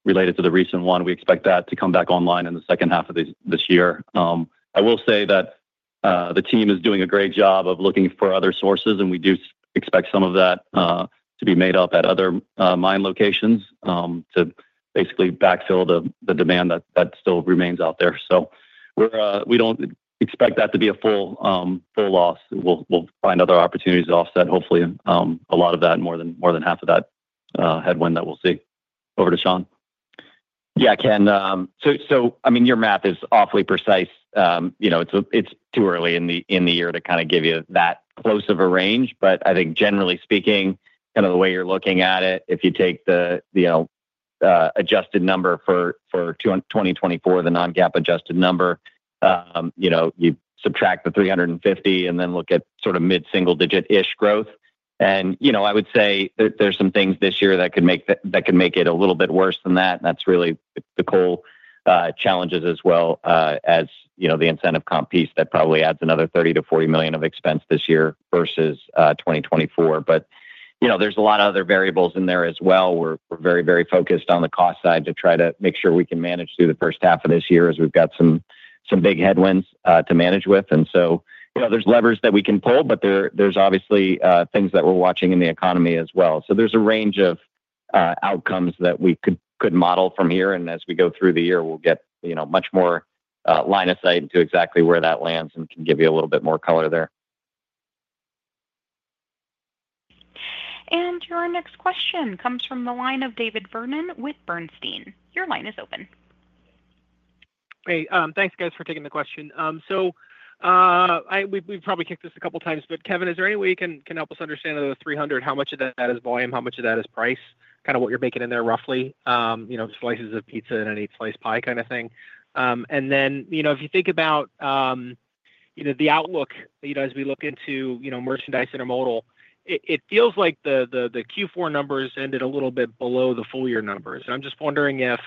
related to the recent one. We expect that to come back online in the second half of this year. I will say that the team is doing a great job of looking for other sources, and we do expect some of that to be made up at other mine locations to basically backfill the demand that still remains out there. So we don't expect that to be a full loss. We'll find other opportunities to offset, hopefully, a lot of that, more than half of that headwind that we'll see. Over to Sean. Yeah, Ken. So I mean, your math is awfully precise. It's too early in the year to kind of give you that close of a range. But I think, generally speaking, kind of the way you're looking at it, if you take the adjusted number for 2024, the non-GAAP adjusted number, you subtract the 350 and then look at sort of mid-single-digit-ish growth. I would say there's some things this year that could make it a little bit worse than that. That's really the coal challenges as well as the incentive comp piece that probably adds another $30 million-$40 million of expense this year versus 2024. There's a lot of other variables in there as well. We're very, very focused on the cost side to try to make sure we can manage through the first half of this year as we've got some big headwinds to manage with. There's levers that we can pull, but there's obviously things that we're watching in the economy as well. There's a range of outcomes that we could model from here. As we go through the year, we'll get much more line of sight into exactly where that lands and can give you a little bit more color there. Your next question comes from the line of David Vernon with Bernstein. Your line is open. Hey, thanks, guys, for taking the question. So we've probably kicked this a couple of times, but Kevin, is there any way you can help us understand the 300, how much of that is volume, how much of that is price, kind of what you're making in there roughly, slices of the pie in any slice of the pie kind of thing? And then if you think about the outlook as we look into merchandise intermodal, it feels like the Q4 numbers ended a little bit below the full year numbers. And I'm just wondering if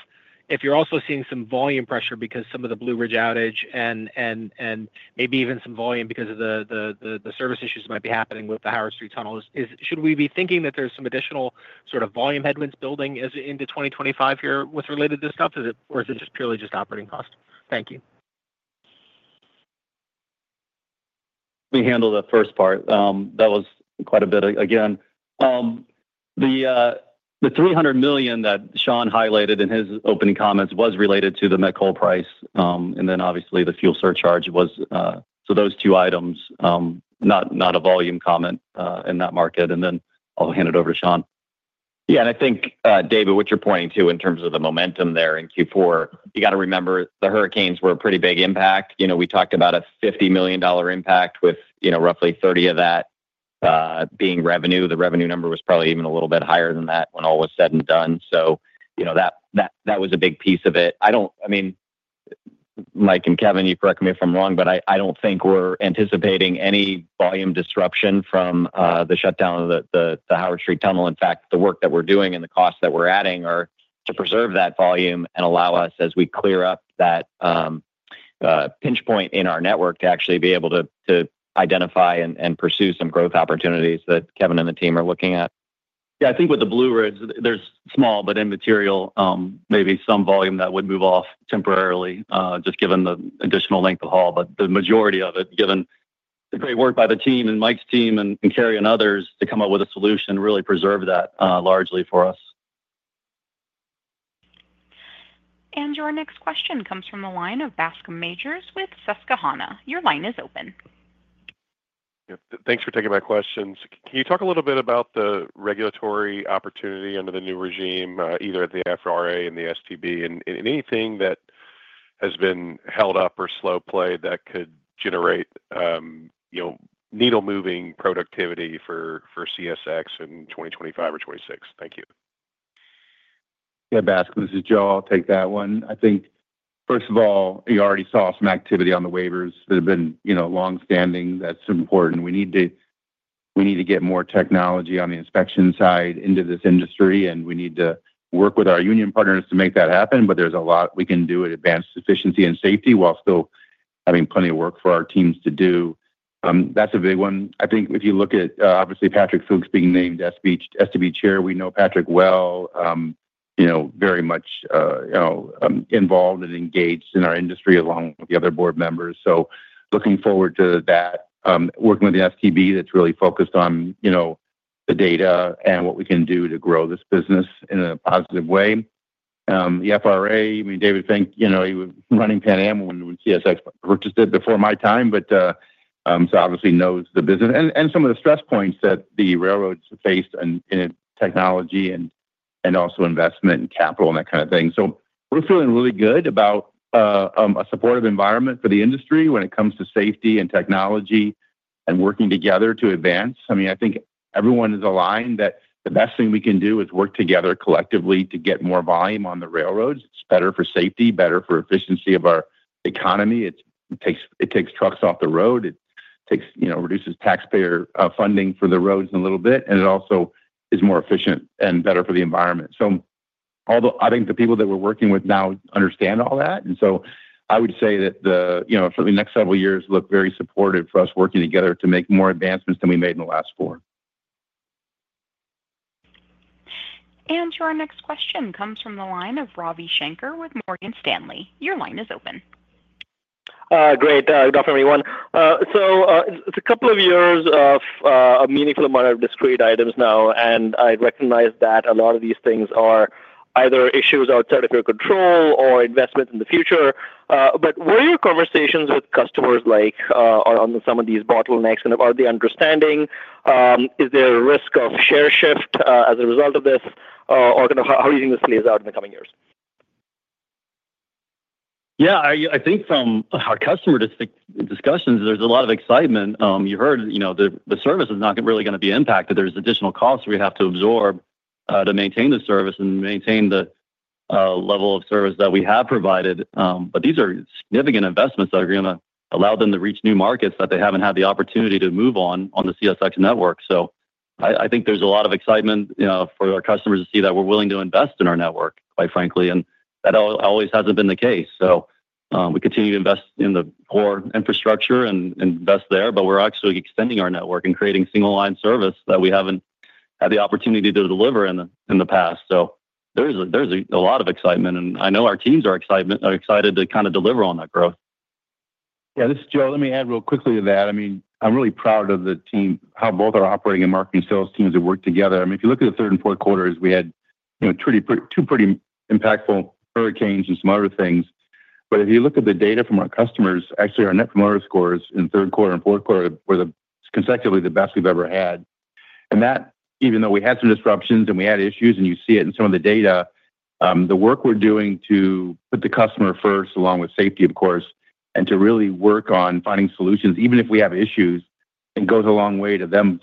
you're also seeing some volume pressure because some of the Blue Ridge outage and maybe even some volume because of the service issues that might be happening with the Howard Street Tunnel. Should we be thinking that there's some additional sort of volume headwinds building into 2025 here with regard to this stuff, or is it just purely operating cost? Thank you. We handle the first part. That was quite a bit. Again, the $300 million that Sean highlighted in his opening comments was related to the Met coal price. And then obviously, the fuel surcharge was, so those two items, not a volume comment in that market. And then I'll hand it over to Sean. Yeah, and I think, David, what you're pointing to in terms of the momentum there in Q4, you got to remember the hurricanes were a pretty big impact. We talked about a $50 million impact with roughly $30 million of that being revenue. The revenue number was probably even a little bit higher than that when all was said and done. So that was a big piece of it. I mean, Mike and Kevin, you correct me if I'm wrong, but I don't think we're anticipating any volume disruption from the shutdown of the Howard Street Tunnel. In fact, the work that we're doing and the costs that we're adding are to preserve that volume and allow us, as we clear up that pinch point in our network, to actually be able to identify and pursue some growth opportunities that Kevin and the team are looking at. Yeah, I think with the Blue Ridge, there's small but immaterial, maybe some volume that would move off temporarily just given the additional length of haul. But the majority of it, given the great work by the team and Mike's team and Kerry and others to come up with a solution and really preserve that largely for us. Your next question comes from the line of Bascom Majors with Susquehanna. Your line is open. Thanks for taking my questions. Can you talk a little bit about the regulatory opportunity under the new regime, either at the FRA and the STB, and anything that has been held up or slow played that could generate needle-moving productivity for CSX in 2025 or 2026? Thank you. Yeah, Bascom, this is Joe. I'll take that one. I think, first of all, you already saw some activity on the waivers that have been long-standing. That's important. We need to get more technology on the inspection side into this industry, and we need to work with our union partners to make that happen, but there's a lot we can do at advanced efficiency and safety while still having plenty of work for our teams to do. That's a big one. I think if you look at, obviously, Patrick Fuchs being named STB chair, we know Patrick well, very much involved and engaged in our industry along with the other board members. So looking forward to that, working with the STB that's really focused on the data and what we can do to grow this business in a positive way. The FRA, I mean, David, I think he was running Pan Am when CSX purchased it before my time, but so obviously knows the business and some of the stress points that the railroads faced in technology and also investment and capital and that kind of thing. So we're feeling really good about a supportive environment for the industry when it comes to safety and technology and working together to advance. I mean, I think everyone is aligned that the best thing we can do is work together collectively to get more volume on the railroads. It's better for safety, better for efficiency of our economy. It takes trucks off the road. It reduces taxpayer funding for the roads a little bit, and it also is more efficient and better for the environment. So I think the people that we're working with now understand all that. And so I would say that the next several years look very supportive for us working together to make more advancements than we made in the last four. Your next question comes from the line of Ravi Shanker with Morgan Stanley. Your line is open. Great. Good afternoon, everyone. So it's a couple of years of a meaningful amount of discrete items now. And I recognize that a lot of these things are either issues outside of your control or investments in the future. But what are your conversations with customers like on some of these bottlenecks? Are they understanding? Is there a risk of share shift as a result of this? Or kind of how do you think this plays out in the coming years? Yeah, I think from our customer discussions, there's a lot of excitement. You heard the service is not really going to be impacted. There's additional costs we have to absorb to maintain the service and maintain the level of service that we have provided. But these are significant investments that are going to allow them to reach new markets that they haven't had the opportunity to move on the CSX network. So I think there's a lot of excitement for our customers to see that we're willing to invest in our network, quite frankly. And that always hasn't been the case. So we continue to invest in the core infrastructure and invest there, but we're actually extending our network and creating single-line service that we haven't had the opportunity to deliver in the past. So there's a lot of excitement. I know our teams are excited to kind of deliver on that growth. Yeah, this is Joe. Let me add really quickly to that. I mean, I'm really proud of the team, how both our operating and marketing sales teams have worked together. I mean, if you look at the third and fourth quarters, we had two pretty impactful hurricanes and some other things. But if you look at the data from our customers, actually our Net Promoter Scores in third quarter and fourth quarter were consecutively the best we've ever had. And that, even though we had some disruptions and we had issues, and you see it in some of the data, the work we're doing to put the customer first, along with safety, of course, and to really work on finding solutions, even if we have issues, it goes a long way to them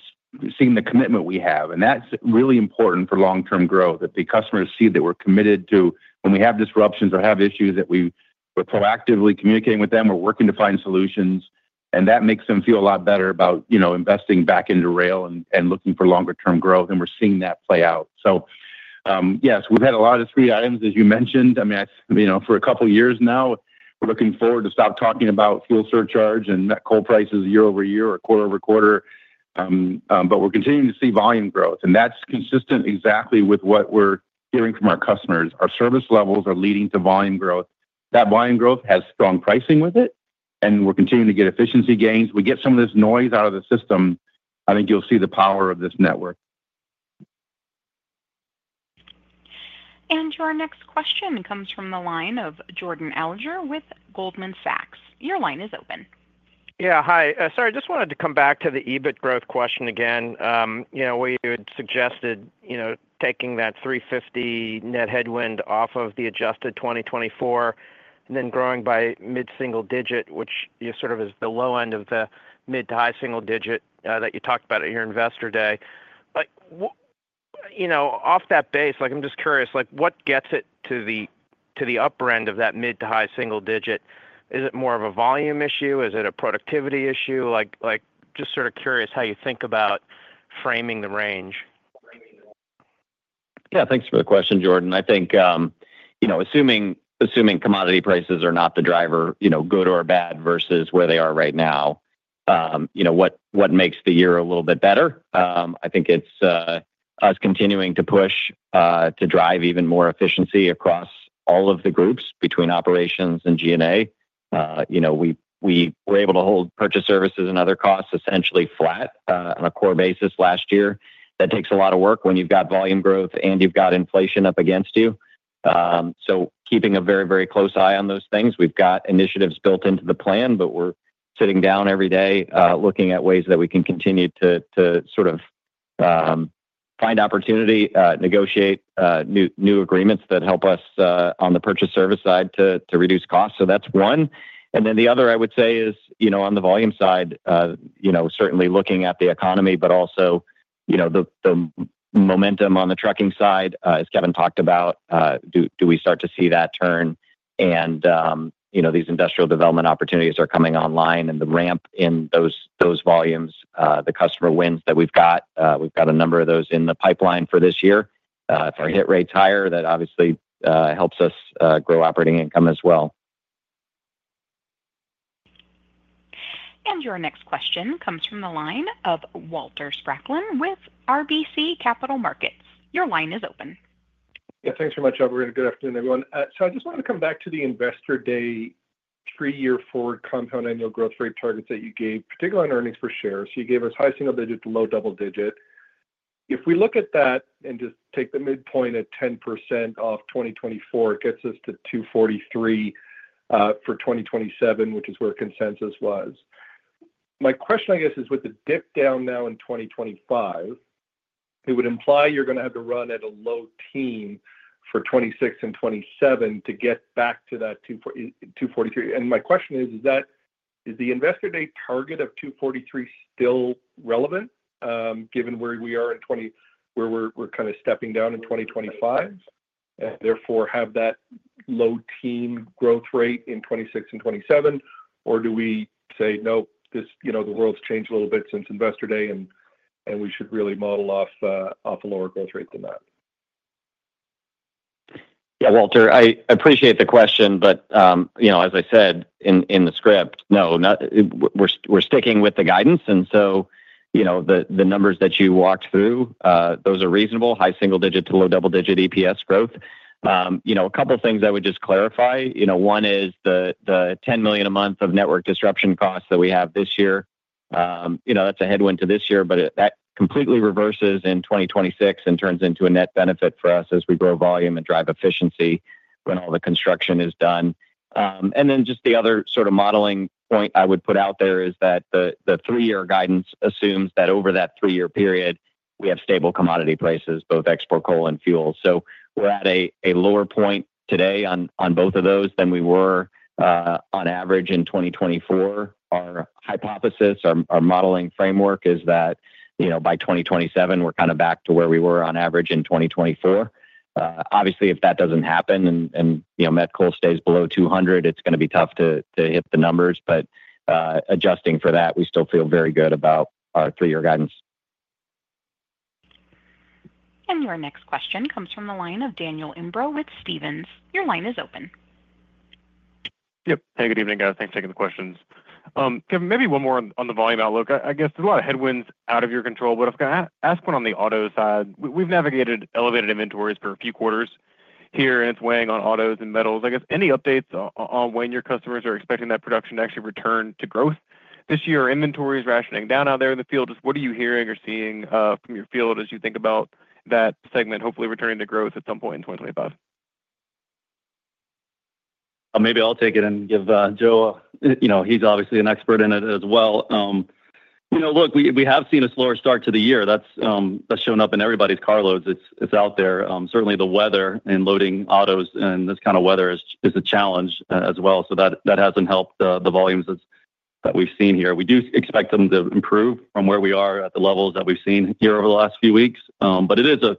seeing the commitment we have. And that's really important for long-term growth, that the customers see that we're committed to when we have disruptions or have issues that we're proactively communicating with them. We're working to find solutions. And that makes them feel a lot better about investing back into rail and looking for longer-term growth. And we're seeing that play out. So yes, we've had a lot of discrete items, as you mentioned. I mean, for a couple of years now, we're looking forward to stop talking about fuel surcharge and coal prices year over year or quarter over quarter. But we're continuing to see volume growth. And that's consistent exactly with what we're hearing from our customers. Our service levels are leading to volume growth. That volume growth has strong pricing with it. And we're continuing to get efficiency gains. We get some of this noise out of the system. I think you'll see the power of this network. Your next question comes from the line of Jordan Alliger with Goldman Sachs. Your line is open. Yeah, hi. Sorry, I just wanted to come back to the EBIT growth question again. We had suggested taking that 350 net headwind off of the adjusted 2024 and then growing by mid-single digit, which sort of is the low end of the mid-to-high single digit that you talked about at your investor day. But off that base, I'm just curious, what gets it to the upper end of that mid-to-high single digit? Is it more of a volume issue? Is it a productivity issue? Just sort of curious how you think about framing the range. Yeah, thanks for the question, Jordan. I think assuming commodity prices are not the driver, good or bad, versus where they are right now, what makes the year a little bit better? I think it's us continuing to push to drive even more efficiency across all of the groups between operations and G&A. We were able to hold Purchased Services and Other costs essentially flat on a core basis last year. That takes a lot of work when you've got volume growth and you've got inflation up against you. So keeping a very, very close eye on those things. We've got initiatives built into the plan, but we're sitting down every day looking at ways that we can continue to sort of find opportunity, negotiate new agreements that help us on the Purchased Services side to reduce costs. So that's one. And then the other, I would say, is on the volume side, certainly looking at the economy, but also the momentum on the trucking side, as Kevin talked about. Do we start to see that turn? And these industrial development opportunities are coming online and the ramp in those volumes, the customer wins that we've got. We've got a number of those in the pipeline for this year. If our hit rate's higher, that obviously helps us grow operating income as well. Your next question comes from the line of Walter Spracklin with RBC Capital Markets. Your line is open. Yeah, thanks so much, Abby. Good afternoon, everyone. So I just wanted to come back to the investor day three-year forward compound annual growth rate targets that you gave, particularly on earnings per share. So you gave us high single digit, low double digit. If we look at that and just take the midpoint at 10% off 2024, it gets us to 243 for 2027, which is where consensus was. My question, I guess, is with the dip down now in 2025, it would imply you're going to have to run at a low teens for 2026 and 2027 to get back to that 243. And my question is, is the investor day target of 243 still relevant given where we are in 2024, where we're kind of stepping down in 2025, and therefore have that low teens growth rate in 2026 and 2027? Or do we say, "Nope, the world's changed a little bit since investor day, and we should really model off a lower growth rate than that"? Yeah, Walter, I appreciate the question, but as I said in the script, no, we're sticking with the guidance. And so the numbers that you walked through, those are reasonable, high single digit to low double digit EPS growth. A couple of things I would just clarify. One is the $10 million a month of network disruption costs that we have this year. That's a headwind to this year, but that completely reverses in 2026 and turns into a net benefit for us as we grow volume and drive efficiency when all the construction is done. And then just the other sort of modeling point I would put out there is that the three-year guidance assumes that over that three-year period, we have stable commodity prices, both export coal and fuel. So we're at a lower point today on both of those than we were on average in 2024. Our hypothesis, our modeling framework, is that by 2027, we're kind of back to where we were on average in 2024. Obviously, if that doesn't happen and met coal stays below 200, it's going to be tough to hit the numbers. But adjusting for that, we still feel very good about our three-year guidance. And your next question comes from the line of Daniel Imbro with Stephens. Your line is open. Yep. Hey, good evening, guys. Thanks for taking the questions. Kevin, maybe one more on the volume outlook. I guess there's a lot of headwinds out of your control, but I've got to ask one on the auto side. We've navigated elevated inventories for a few quarters here, and it's weighing on autos and metals. I guess any updates on when your customers are expecting that production to actually return to growth this year? Inventory is rationing down out there in the field. Just what are you hearing or seeing from your field as you think about that segment hopefully returning to growth at some point in 2025? Maybe I'll take it and give Joe. He's obviously an expert in it as well. Look, we have seen a slower start to the year. That's shown up in everybody's carloads. It's out there. Certainly, the weather and loading autos in this kind of weather is a challenge as well, so that hasn't helped the volumes that we've seen here. We do expect them to improve from where we are at the levels that we've seen here over the last few weeks, but it is a,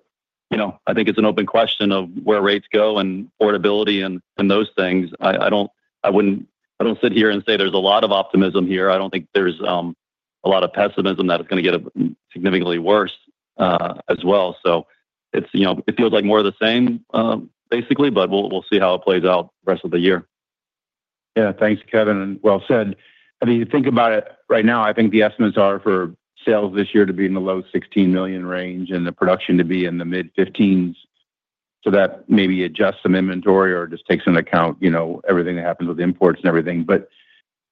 I think it's an open question of where rates go and profitability and those things. I wouldn't sit here and say there's a lot of optimism here. I don't think there's a lot of pessimism that it's going to get significantly worse as well. So it feels like more of the same, basically, but we'll see how it plays out the rest of the year. Yeah, thanks, Kevin, and well said. I mean, you think about it right now, I think the estimates are for sales this year to be in the low 16 million range and the production to be in the mid-15s. So that maybe adjusts some inventory or just takes into account everything that happens with imports and everything. But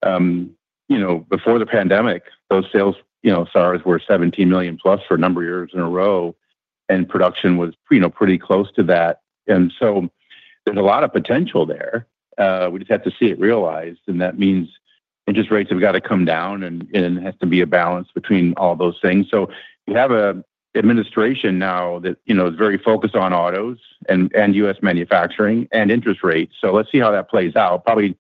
before the pandemic, those sales SAARs were 17 million plus for a number of years in a row, and production was pretty close to that. And so there's a lot of potential there. We just have to see it realized. And that means interest rates have got to come down, and it has to be a balance between all those things. So you have an administration now that is very focused on autos and U.S. manufacturing and interest rates. So let's see how that plays out. Probably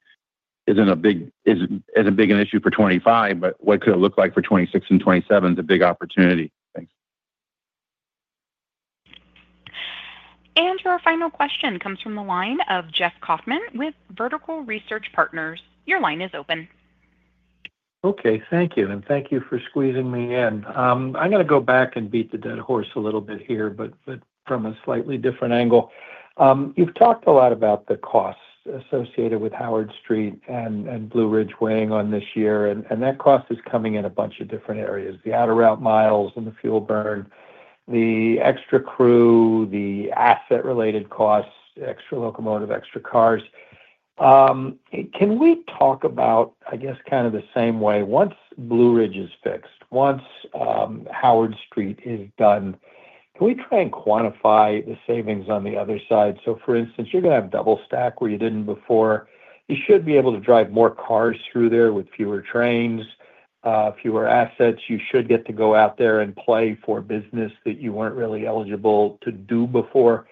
isn't a big issue for 2025, but what could it look like for 2026 and 2027 is a big opportunity. Thanks. And your final question comes from the line of Jeff Kauffman with Vertical Research Partners. Your line is open. Okay. Thank you. And thank you for squeezing me in. I'm going to go back and beat the dead horse a little bit here, but from a slightly different angle. You've talked a lot about the costs associated with Howard Street and Blue Ridge weighing on this year. And that cost is coming in a bunch of different areas: the out-of-route miles and the fuel burn, the extra crew, the asset-related costs, extra locomotive, extra cars. Can we talk about, I guess, kind of the same way? Once Blue Ridge is fixed, once Howard Street is done, can we try and quantify the savings on the other side? So for instance, you're going to have double stack where you didn't before. You should be able to drive more cars through there with fewer trains, fewer assets. You should get to go out there and play for business that you weren't really eligible to do before.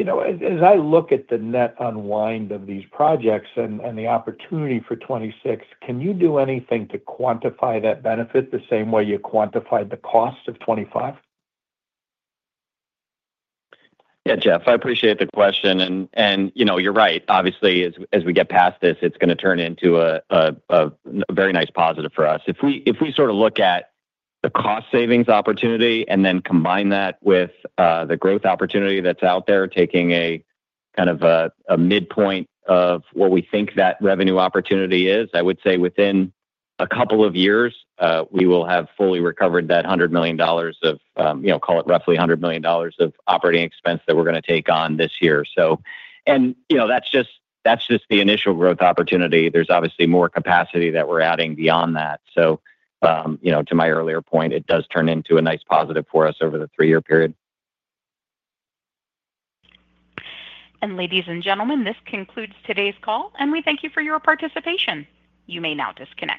As I look at the net unwind of these projects and the opportunity for 2026, can you do anything to quantify that benefit the same way you quantified the cost of 2025? Yeah, Jeff, I appreciate the question. And you're right. Obviously, as we get past this, it's going to turn into a very nice positive for us. If we sort of look at the cost savings opportunity and then combine that with the growth opportunity that's out there, taking a kind of a midpoint of what we think that revenue opportunity is, I would say within a couple of years, we will have fully recovered that $100 million of, call it roughly $100 million of operating expense that we're going to take on this year. And that's just the initial growth opportunity. There's obviously more capacity that we're adding beyond that. So to my earlier point, it does turn into a nice positive for us over the three-year period. Ladies and gentlemen, this concludes today's call, and we thank you for your participation. You may now disconnect.